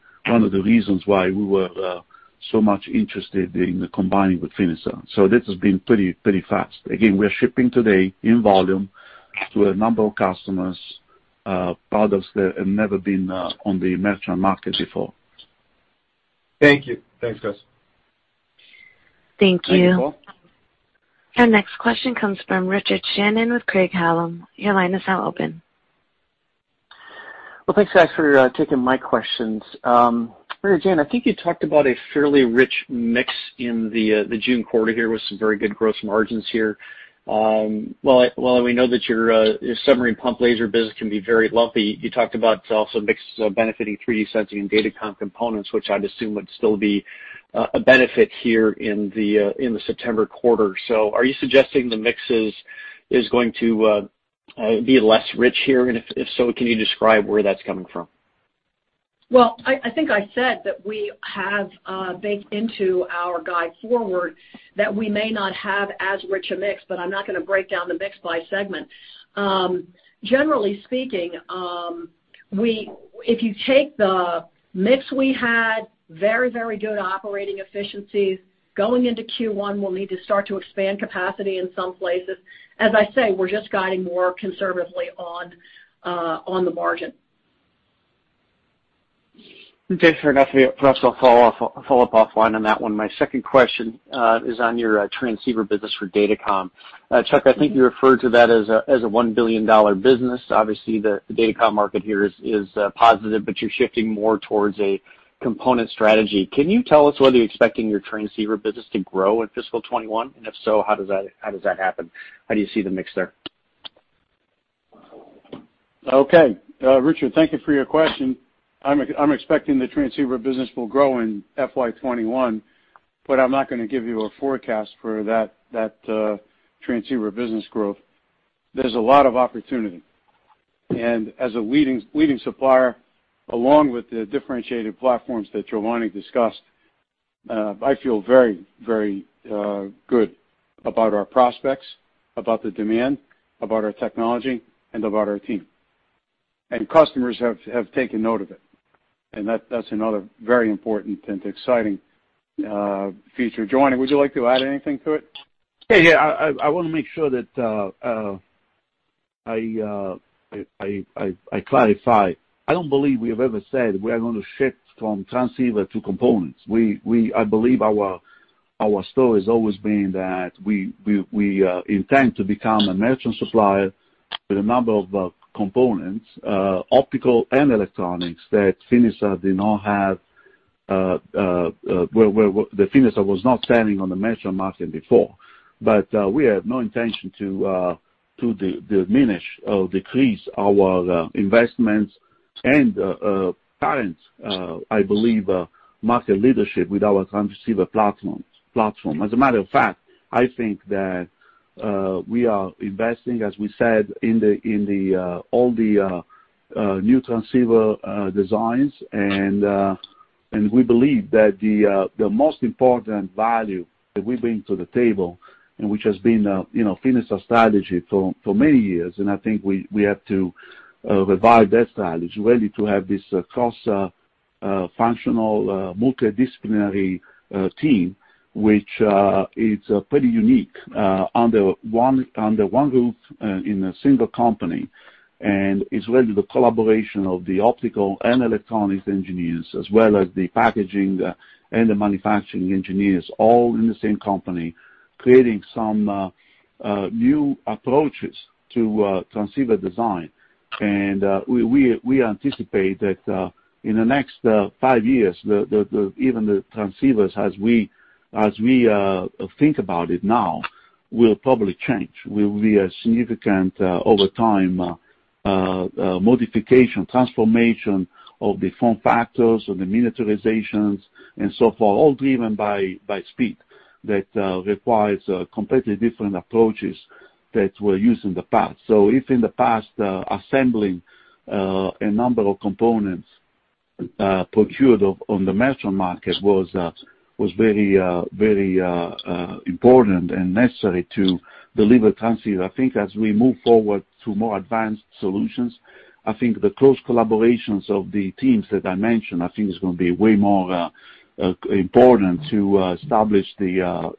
reasons why we were so much interested in combining with Finisar. This has been pretty fast. Again, we are shipping today in volume to a number of customers, products that have never been on the merchant market before. Thank you. Thanks, guys. Thank you. Thank you, Paul. Our next question comes from Richard Shannon with Craig-Hallum. Your line is now open. Thanks, guys, for taking my questions. Mary Jane, I think you talked about a fairly rich mix in the June quarter here with some very good gross margins here. While we know that your submarine pump laser business can be very lumpy, you talked about also mix benefiting 3D sensing and data com components, which I'd assume would still be a benefit here in the September quarter. Are you suggesting the mix is going to be less rich here? If so, can you describe where that's coming from? I think I said that we have baked into our guide forward that we may not have as rich a mix, but I'm not going to break down the mix by segment. Generally speaking, if you take the mix we had, very, very good operating efficiencies, going into Q1, we'll need to start to expand capacity in some places. As I say, we're just guiding more conservatively on the margin. Thanks for that. Perhaps I'll follow up offline on that one. My second question is on your transceiver business for data com. Chuck, I think you referred to that as a $1 billion business. Obviously, the data com market here is positive, but you're shifting more towards a component strategy. Can you tell us whether you're expecting your transceiver business to grow in fiscal 2021? If so, how does that happen? How do you see the mix there? Okay. Richard, thank you for your question. I'm expecting the transceiver business will grow in FY 2021, but I'm not going to give you a forecast for that transceiver business growth. There's a lot of opportunity. As a leading supplier, along with the differentiated platforms that Giovanni discussed, I feel very, very good about our prospects, about the demand, about our technology, and about our team. Customers have taken note of it. That's another very important and exciting feature. Giovanni, would you like to add anything to it? Yeah. I want to make sure that I clarify. I don't believe we have ever said we are going to shift from transceiver to components. I believe our story has always been that we intend to become a merchant supplier with a number of components, optical and electronics, that Finisar did not have where Finisar was not selling on the merchant market before. We have no intention to diminish or decrease our investments and current, I believe, market leadership with our transceiver platform. As a matter of fact, I think that we are investing, as we said, in all the new transceiver designs. We believe that the most important value that we bring to the table, and which has been Finisar's strategy for many years, and I think we have to revive that strategy really to have this cross-functional multidisciplinary team, which is pretty unique under one roof in a single company. It is really the collaboration of the optical and electronics engineers, as well as the packaging and the manufacturing engineers, all in the same company, creating some new approaches to transceiver design. We anticipate that in the next five years, even the transceivers, as we think about it now, will probably change. There will be a significant overtime modification, transformation of the form factors and the miniaturizations and so forth, all driven by speed that requires completely different approaches that were used in the past. If in the past, assembling a number of components procured on the merchant market was very important and necessary to deliver transceivers, I think as we move forward to more advanced solutions, the close collaborations of the teams that I mentioned, I think it is going to be way more important to establish the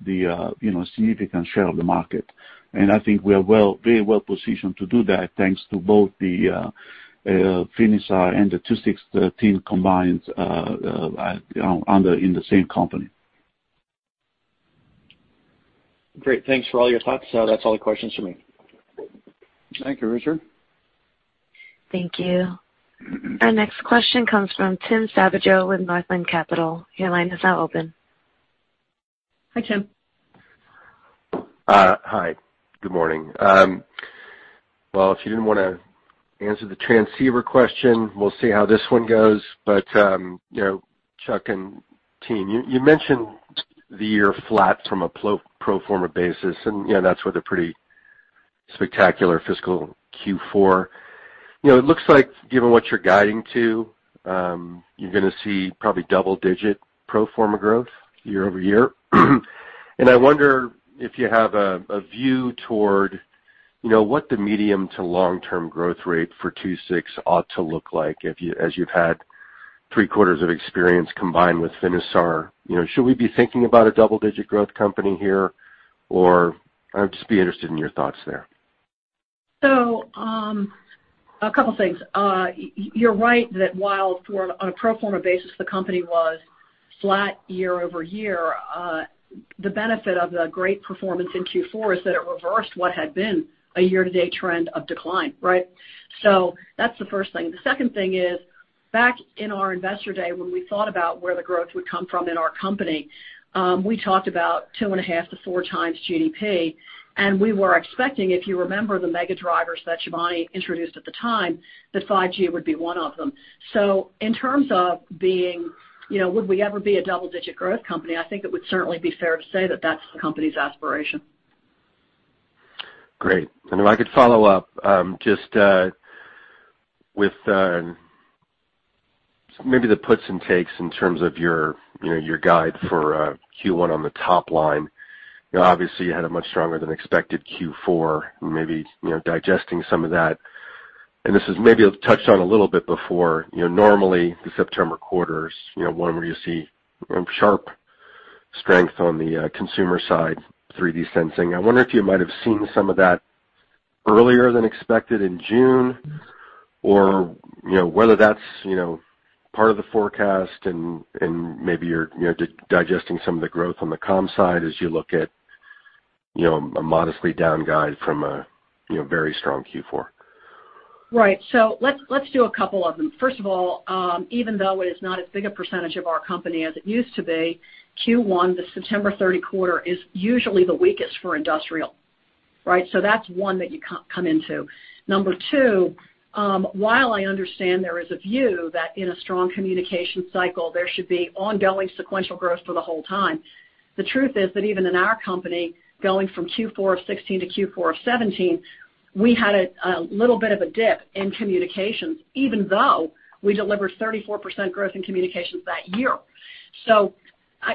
significant share of the market. I think we are very well positioned to do that thanks to both the Finisar and the II-VI team combined under the same company. Great. Thanks for all your thoughts. That's all the questions for me. Thank you, Richard. Thank you. Our next question comes from Tim Savageau with Northland Capital. Your line is now open. Hi, Tim. Hi. Good morning. If you didn't want to answer the transceiver question, we'll see how this one goes. Chuck and team, you mentioned the year flat from a pro forma basis, and that's with a pretty spectacular fiscal Q4. It looks like, given what you're guiding to, you're going to see probably double-digit pro forma growth year over year. I wonder if you have a view toward what the medium to long-term growth rate for two-sixths ought to look like as you've had three-quarters of experience combined with Finisar. Should we be thinking about a double-digit growth company here? I'd just be interested in your thoughts there. A couple of things. You're right that while on a pro forma basis, the company was flat year over year, the benefit of the great performance in Q4 is that it reversed what had been a year-to-date trend of decline, right? That's the first thing. The second thing is, back in our investor day when we thought about where the growth would come from in our company, we talked about two and a half to four times GDP. We were expecting, if you remember the mega drivers that Giovanni introduced at the time, that 5G would be one of them. In terms of being, would we ever be a double-digit growth company, I think it would certainly be fair to say that that's the company's aspiration. Great. If I could follow up just with maybe the puts and takes in terms of your guide for Q1 on the top line. Obviously, you had a much stronger than expected Q4, maybe digesting some of that. This is maybe touched on a little bit before. Normally, the September quarter is one where you see sharp strength on the consumer side, 3D sensing. I wonder if you might have seen some of that earlier than expected in June, or whether that's part of the forecast and maybe you're digesting some of the growth on the com side as you look at a modestly down guide from a very strong Q4. Right. Let's do a couple of them. First of all, even though it is not as big a percentage of our company as it used to be, Q1, the September 30 quarter, is usually the weakest for industrial, right? That is one that you come into. Number two, while I understand there is a view that in a strong communication cycle, there should be ongoing sequential growth for the whole time, the truth is that even in our company, going from Q4 of 2016 to Q4 of 2017, we had a little bit of a dip in communications, even though we delivered 34% growth in communications that year.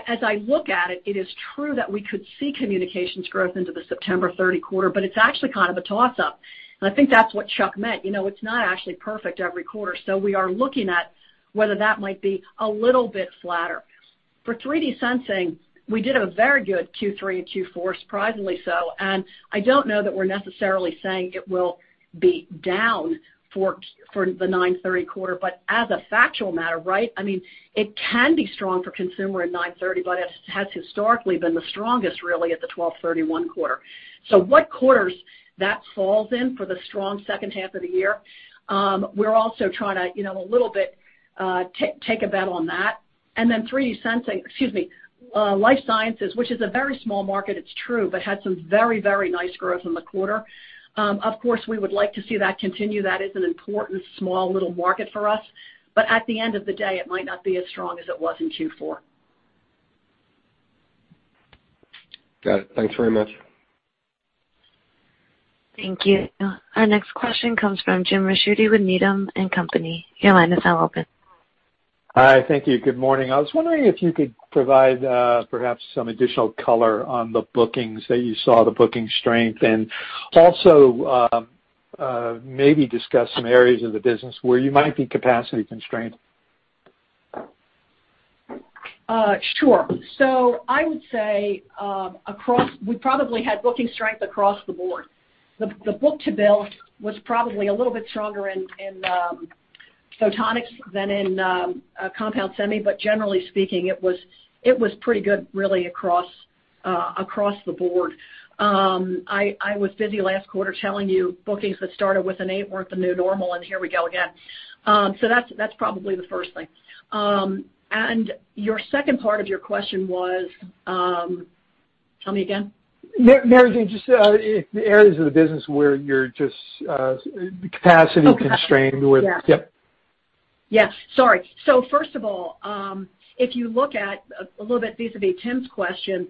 As I look at it, it is true that we could see communications growth into the September 30th quarter, but it is actually kind of a toss-up. I think that is what Chuck meant. It is not actually perfect every quarter. We are looking at whether that might be a little bit flatter. For 3D sensing, we did a very good Q3 and Q4, surprisingly so. I do not know that we are necessarily saying it will be down for the 9/30 quarter. As a factual matter, I mean, it can be strong for consumer in 9/30, but it has historically been the strongest really at the 12/31 quarter. What quarters that falls in for the strong second half of the year, we are also trying to a little bit take a bet on that. 3D sensing, excuse me, life sciences, which is a very small market, it is true, but had some very, very nice growth in the quarter. Of course, we would like to see that continue. That is an important small little market for us. At the end of the day, it might not be as strong as it was in Q4. Got it. Thanks very much. Thank you. Our next question comes from James Ricchiuti with Needham & Company. Your line is now open. Hi. Thank you. Good morning. I was wondering if you could provide perhaps some additional color on the bookings that you saw, the booking strength, and also maybe discuss some areas of the business where you might be capacity constrained. Sure. I would say we probably had booking strength across the board. The book-to-built was probably a little bit stronger in photonics than in compound semi. Generally speaking, it was pretty good really across the board. I was busy last quarter telling you bookings that started with an eight were not the new normal, and here we go again. That is probably the first thing. Your second part of your question was, tell me again. Mary Jane, just the areas of the business where you're just capacity constrained with. Oh, yeah. Yeah. Sorry. First of all, if you look at a little bit Tim's question,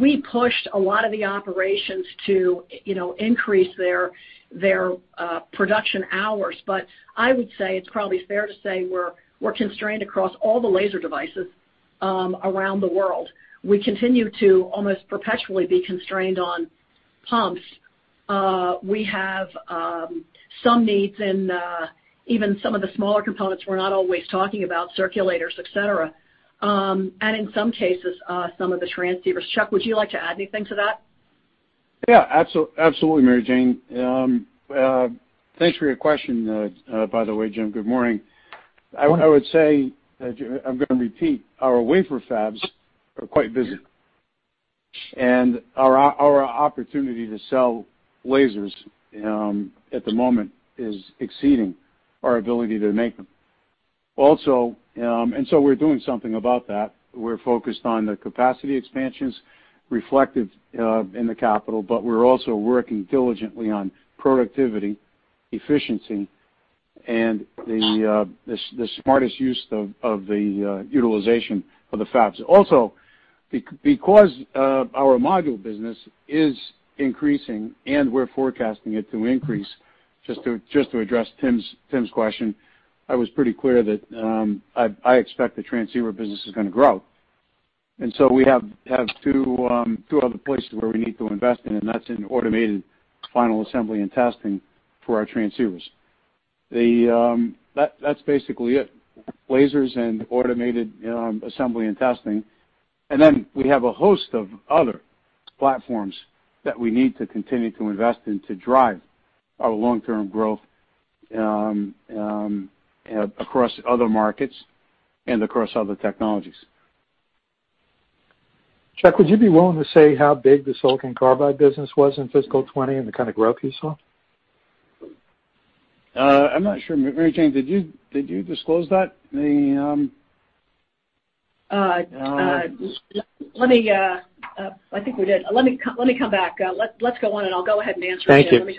we pushed a lot of the operations to increase their production hours. I would say it's probably fair to say we're constrained across all the laser devices around the world. We continue to almost perpetually be constrained on pumps. We have some needs in even some of the smaller components. We're not always talking about circulators, etc. In some cases, some of the transceivers. Chuck, would you like to add anything to that? Yeah. Absolutely, Mary Jane. Thanks for your question, by the way, Jim. Good morning. I would say I'm going to repeat. Our wafer fabs are quite busy. Our opportunity to sell lasers at the moment is exceeding our ability to make them. We are doing something about that. We are focused on the capacity expansions reflected in the capital, but we are also working diligently on productivity, efficiency, and the smartest use of the utilization of the fabs. Also, because our module business is increasing and we are forecasting it to increase, just to address Tim's question, I was pretty clear that I expect the transceiver business is going to grow. We have two other places where we need to invest in, and that is in automated final assembly and testing for our transceivers. That is basically it. Lasers and automated assembly and testing. We have a host of other platforms that we need to continue to invest in to drive our long-term growth across other markets and across other technologies. Chuck, would you be willing to say how big the silicon carbide business was in fiscal 2020 and the kind of growth you saw? I'm not sure. Mary Jane, did you disclose that? I think we did. Let me come back. Let's go on, and I'll go ahead and answer it. Thank you.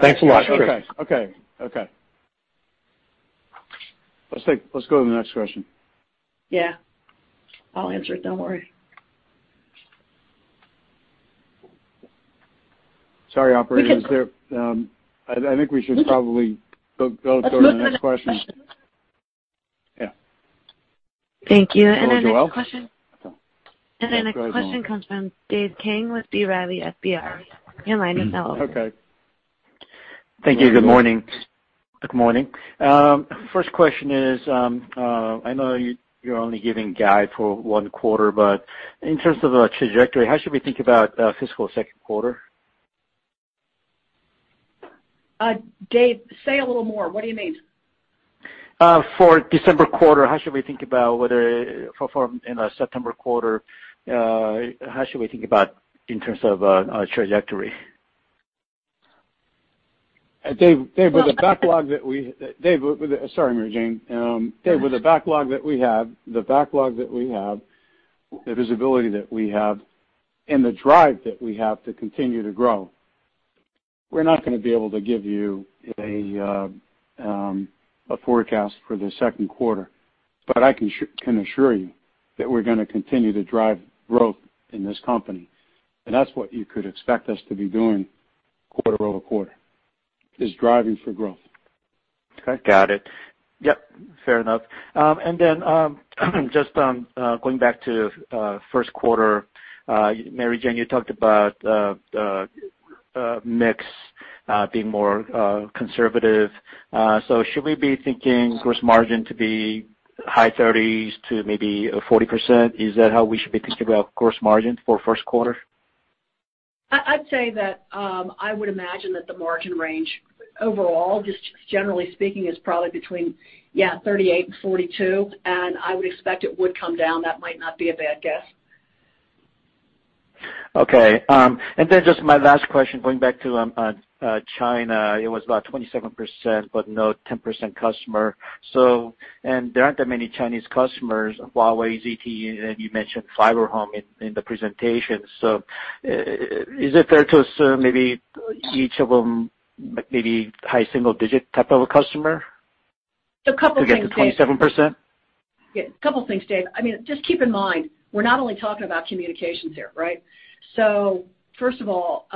Thanks a lot. Okay. Let's go to the next question. Yeah. I'll answer it. Don't worry. Sorry, operator. I think we should probably go to the next question. Yeah. Thank you. Our next question. Go ahead. Our next question comes from Dave King with B. Riley. Your line is now open. Okay. Thank you. Good morning. Good morning. First question is, I know you're only giving guide for one quarter, but in terms of a trajectory, how should we think about fiscal second quarter? Dave, say a little more. What do you mean? For December quarter, how should we think about whether for in a September quarter, how should we think about in terms of a trajectory? Dave, with the backlog that we—sorry, Mary Jane. Dave, with the backlog that we have, the backlog that we have, the visibility that we have, and the drive that we have to continue to grow, we're not going to be able to give you a forecast for the second quarter. I can assure you that we're going to continue to drive growth in this company. That's what you could expect us to be doing quarter over quarter, is driving for growth. Okay? Got it. Yep. Fair enough. Just going back to first quarter, Mary Jane, you talked about mix being more conservative. Should we be thinking gross margin to be high 30s to maybe 40%? Is that how we should be thinking about gross margin for first quarter? I'd say that I would imagine that the margin range overall, just generally speaking, is probably between, yeah, 38-42%. And I would expect it would come down. That might not be a bad guess. Okay. Just my last question, going back to China, it was about 27%, but no 10% customer. There are not that many Chinese customers, Huawei, ZTE, and you mentioned Fiberhome in the presentation. Is it fair to assume maybe each of them is maybe a high single-digit type of customer? A couple of things. To get to 27%? Yeah. A couple of things, Dave. I mean, just keep in mind, we're not only talking about communications here, right? First of all,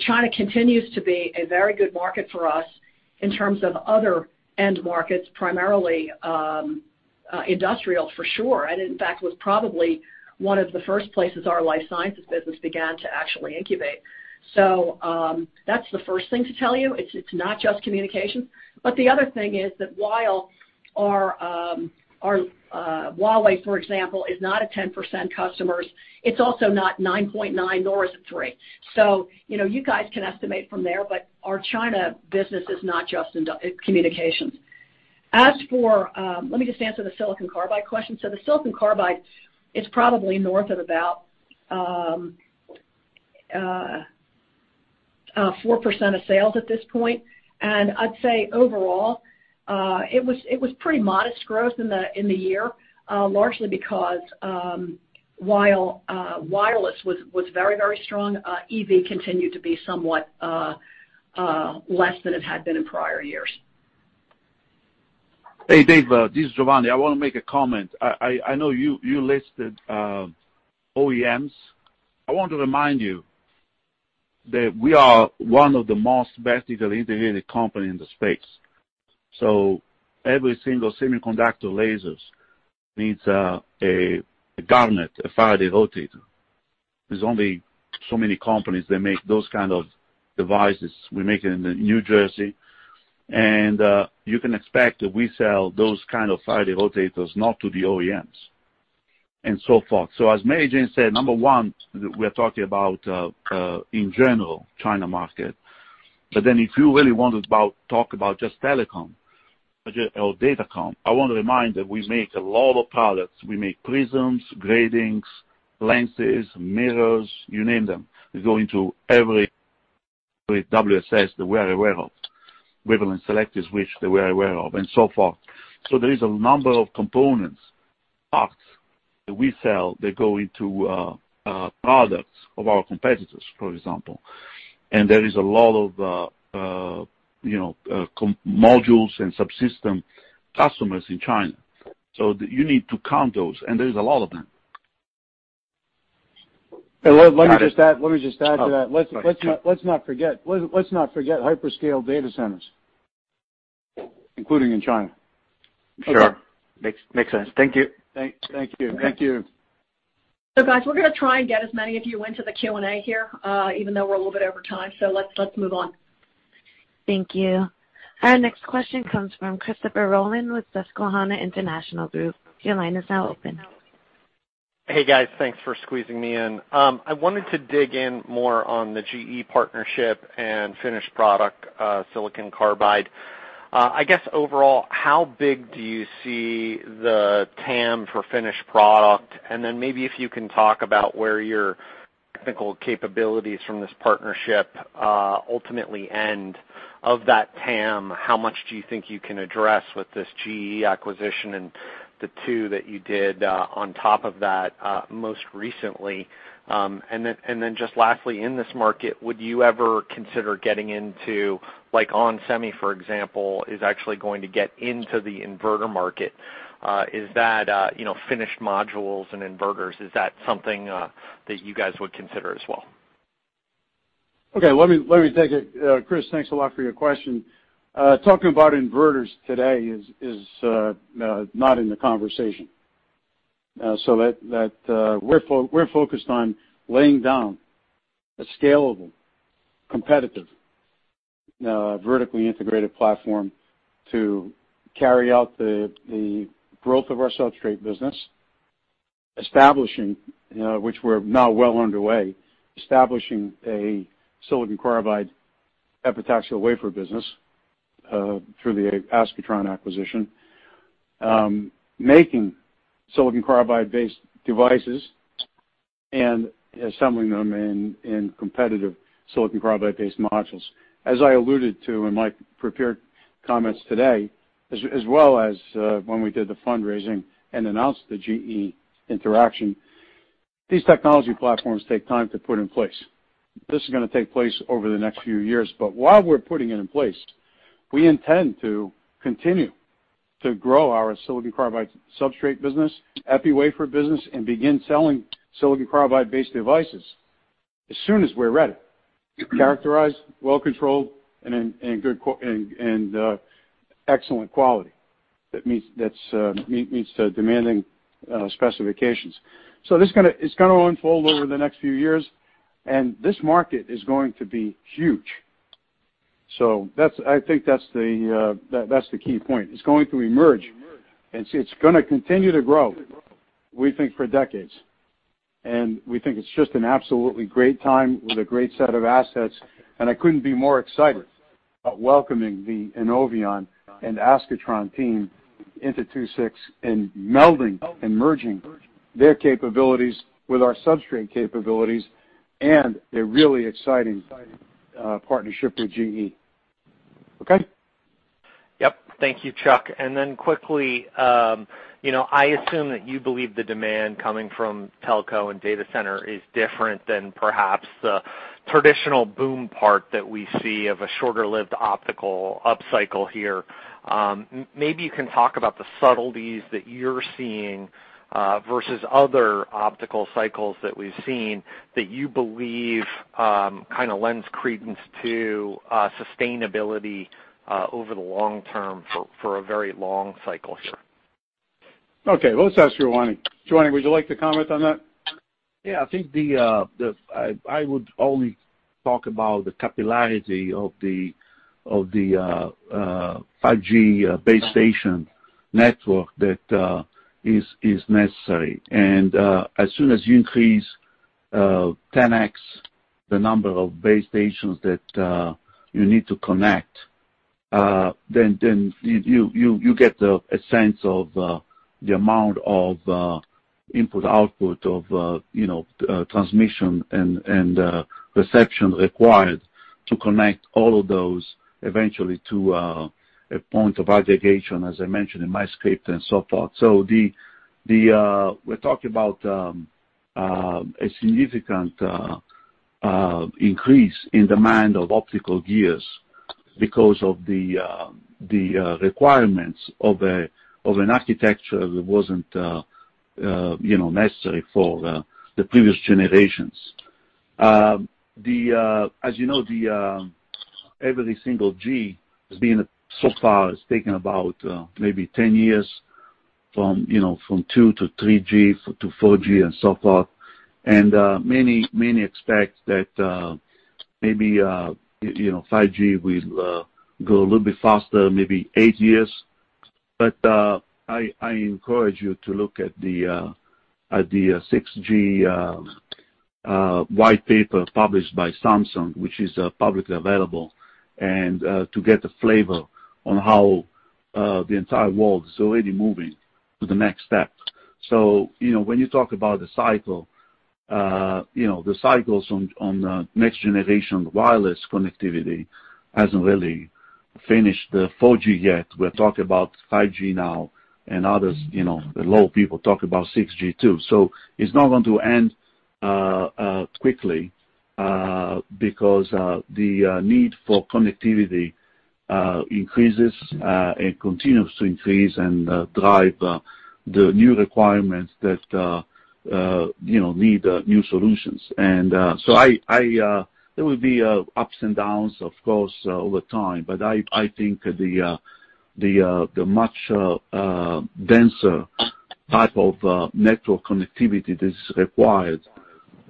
China continues to be a very good market for us in terms of other end markets, primarily industrial, for sure. In fact, it was probably one of the first places our life sciences business began to actually incubate. That's the first thing to tell you. It's not just communications. The other thing is that while our Huawei, for example, is not a 10% customer, it's also not 9.9%, nor is it 3%. You guys can estimate from there, but our China business is not just in communications. Let me just answer the silicon carbide question. The silicon carbide is probably north of about 4% of sales at this point. I would say overall, it was pretty modest growth in the year, largely because while wireless was very, very strong, EV continued to be somewhat less than it had been in prior years. Hey, Dave, this is Giovanni. I want to make a comment. I know you listed OEMs. I want to remind you that we are one of the most best integrated companies in the space. Every single semiconductor laser needs a Garmin, a 5D rotator. There are only so many companies that make those kinds of devices. We make it in New Jersey. You can expect that we sell those kinds of 5D rotators not to the OEMs and so forth. As Mary Jane said, number one, we are talking about, in general, China market. If you really want to talk about just telecom or data com, I want to remind that we make a lot of products. We make prisms, gradings, lenses, mirrors, you name them. They go into every WSS that we are aware of, Wavelength Selectors, which they were aware of, and so forth. There is a number of components, parts that we sell that go into products of our competitors, for example. There is a lot of modules and subsystem customers in China. You need to count those. There is a lot of them. Let me just add to that. Let's not forget hyperscale data centers, including in China. Sure. Makes sense. Thank you. Thank you. Thank you. Guys, we're going to try and get as many of you into the Q&A here, even though we're a little bit over time. Let's move on. Thank you. Our next question comes from Christopher Rolland with Susquehanna International Group. Your line is now open. Hey, guys. Thanks for squeezing me in. I wanted to dig in more on the GE partnership and finished product silicon carbide. I guess overall, how big do you see the TAM for finished product? If you can talk about where your technical capabilities from this partnership ultimately end of that TAM, how much do you think you can address with this GE acquisition and the two that you did on top of that most recently? Lastly, in this market, would you ever consider getting into on-semi, for example, is actually going to get into the inverter market? Is that finished modules and inverters? Is that something that you guys would consider as well? Okay. Let me take it. Chris, thanks a lot for your question. Talking about inverters today is not in the conversation. We are focused on laying down a scalable, competitive, vertically integrated platform to carry out the growth of our substrate business, establishing, which we are now well underway, establishing a silicon carbide epitaxial wafer business through the Ascatron acquisition, making silicon carbide-based devices, and assembling them in competitive silicon carbide-based modules. As I alluded to in my prepared comments today, as well as when we did the fundraising and announced the GE interaction, these technology platforms take time to put in place. This is going to take place over the next few years. While we're putting it in place, we intend to continue to grow our silicon carbide substrate business, epi wafer business, and begin selling silicon carbide-based devices as soon as we're ready, characterized, well-controlled, and in excellent quality that meets the demanding specifications. It's going to unfold over the next few years. This market is going to be huge. I think that's the key point. It's going to emerge. It's going to continue to grow, we think, for decades. We think it's just an absolutely great time with a great set of assets. I couldn't be more excited about welcoming the INNOViON and Ascatron team into 2.6 and melding and merging their capabilities with our substrate capabilities and their really exciting partnership with GE. Okay? Thank you, Chuck. Quickly, I assume that you believe the demand coming from telco and data center is different than perhaps the traditional boom part that we see of a shorter-lived optical upcycle here. Maybe you can talk about the subtleties that you're seeing versus other optical cycles that we've seen that you believe kind of lends credence to sustainability over the long term for a very long cycle here. Okay. Let's ask Giovanni. Giovanni, would you like to comment on that? Yeah. I think I would only talk about the capillarity of the 5G base station network that is necessary. As soon as you increase 10X the number of base stations that you need to connect, then you get a sense of the amount of input-output of transmission and reception required to connect all of those eventually to a point of aggregation, as I mentioned in my script, and so forth. We're talking about a significant increase in demand of optical gears because of the requirements of an architecture that was not necessary for the previous generations. As you know, every single G, so far, has taken about maybe 10 years from 2 to 3G to 4G and so forth. Many expect that maybe 5G will go a little bit faster, maybe 8 years. I encourage you to look at the 6G white paper published by Samsung, which is publicly available, to get a flavor on how the entire world is already moving to the next step. When you talk about the cycle, the cycles on next-generation wireless connectivity have not really finished the 4G yet. We are talking about 5G now, and others, the low people, talk about 6G too. It is not going to end quickly because the need for connectivity increases and continues to increase and drive the new requirements that need new solutions. There will be ups and downs, of course, over time. I think the much denser type of network connectivity that is required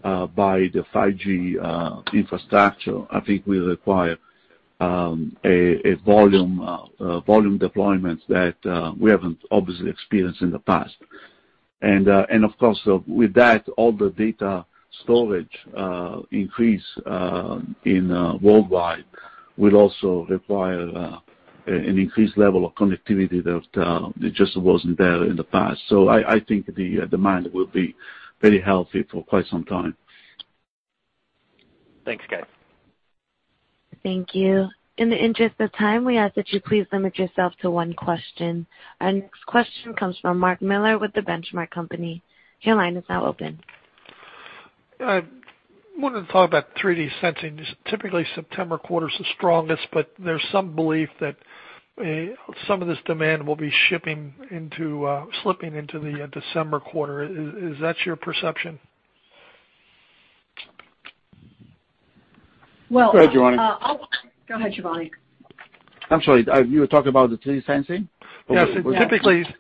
by the 5G infrastructure, I think, will require a volume deployment that we have not obviously experienced in the past. Of course, with that, all the data storage increase worldwide will also require an increased level of connectivity that just was not there in the past. I think the demand will be very healthy for quite some time. Thanks, guys. Thank you. In the interest of time, we ask that you please limit yourself to one question. Our next question comes from Mark Miller with The Benchmark Company. Your line is now open. I wanted to talk about 3D sensing. Typically, September quarter is the strongest, but there's some belief that some of this demand will be slipping into the December quarter. Is that your perception? Go ahead, Giovanni. Go ahead, Giovanni. I'm sorry. You were talking about the 3D sensing? Yes.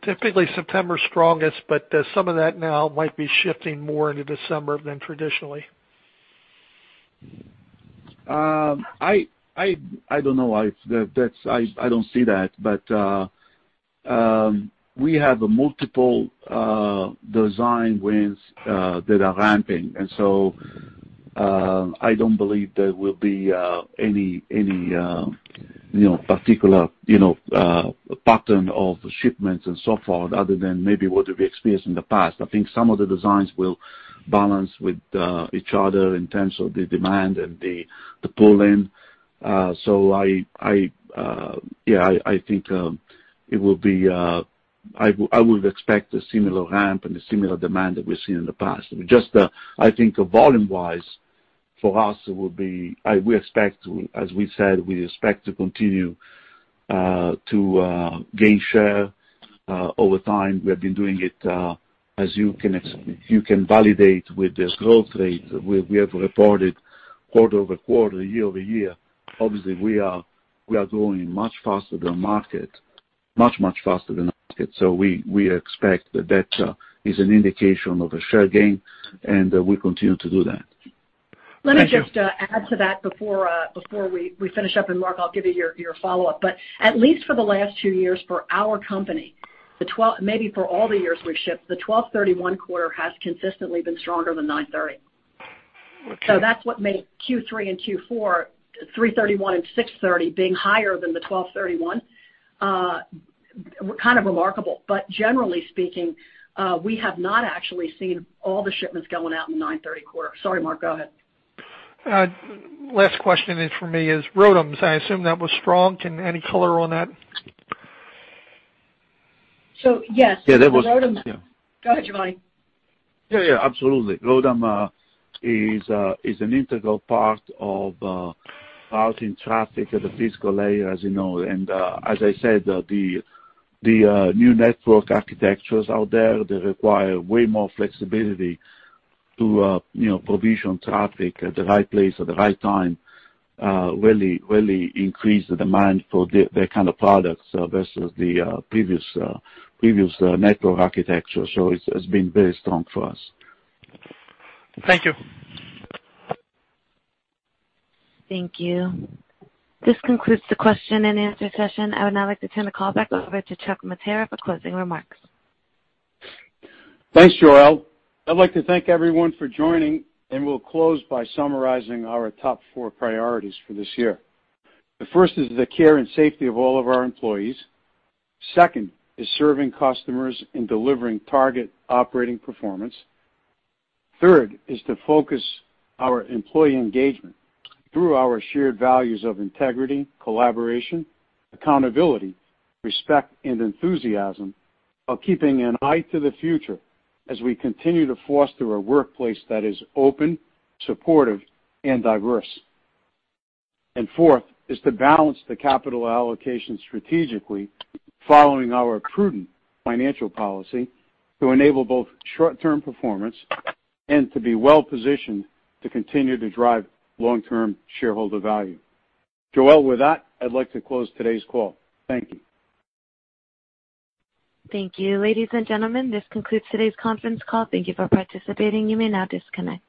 Typically, September is strongest, but some of that now might be shifting more into December than traditionally. I don't know. I don't see that. We have multiple design wins that are ramping. I don't believe there will be any particular pattern of shipments and so forth other than maybe what we experienced in the past. I think some of the designs will balance with each other in terms of the demand and the pull-in. I think it will be, I would expect, a similar ramp and a similar demand that we've seen in the past. I think volume-wise, for us, we expect, as we said, we expect to continue to gain share over time. We have been doing it, as you can validate, with the growth rate we have reported quarter over quarter, year over year. Obviously, we are growing much faster than the market, much, much faster than the market. We expect that that is an indication of a share gain, and we continue to do that. Let me just add to that before we finish up. Mark, I'll give you your follow-up. At least for the last two years for our company, maybe for all the years we've shipped, the 12/31 quarter has consistently been stronger than 9/30. That is what made Q3 and Q4, 3/31 and 6/30 being higher than the 12/31, kind of remarkable. Generally speaking, we have not actually seen all the shipments going out in the 9/30 quarter. Sorry, Mark. Go ahead. Last question for me is ROADM. I assume that was strong. Can any color on that? So yes. Yeah, that was Go ahead, Giovanni. Yeah, yeah. Absolutely. ROADM is an integral part of routing traffic at the physical layer, as you know. As I said, the new network architectures out there require way more flexibility to provision traffic at the right place at the right time, really increasing the demand for that kind of products versus the previous network architecture. It has been very strong for us. Thank you. Thank you. This concludes the question and answer session. I would now like to turn the call back over to Chuck Mattera for closing remarks. Thanks, Joel. I'd like to thank everyone for joining, and we'll close by summarizing our top four priorities for this year. The first is the care and safety of all of our employees. Second is serving customers and delivering target operating performance. Third is to focus our employee engagement through our shared values of integrity, collaboration, accountability, respect, and enthusiasm while keeping an eye to the future as we continue to foster a workplace that is open, supportive, and diverse. Fourth is to balance the capital allocation strategically following our prudent financial policy to enable both short-term performance and to be well-positioned to continue to drive long-term shareholder value. Joel, with that, I'd like to close today's call. Thank you. Thank you. Ladies and gentlemen, this concludes today's conference call. Thank you for participating. You may now disconnect.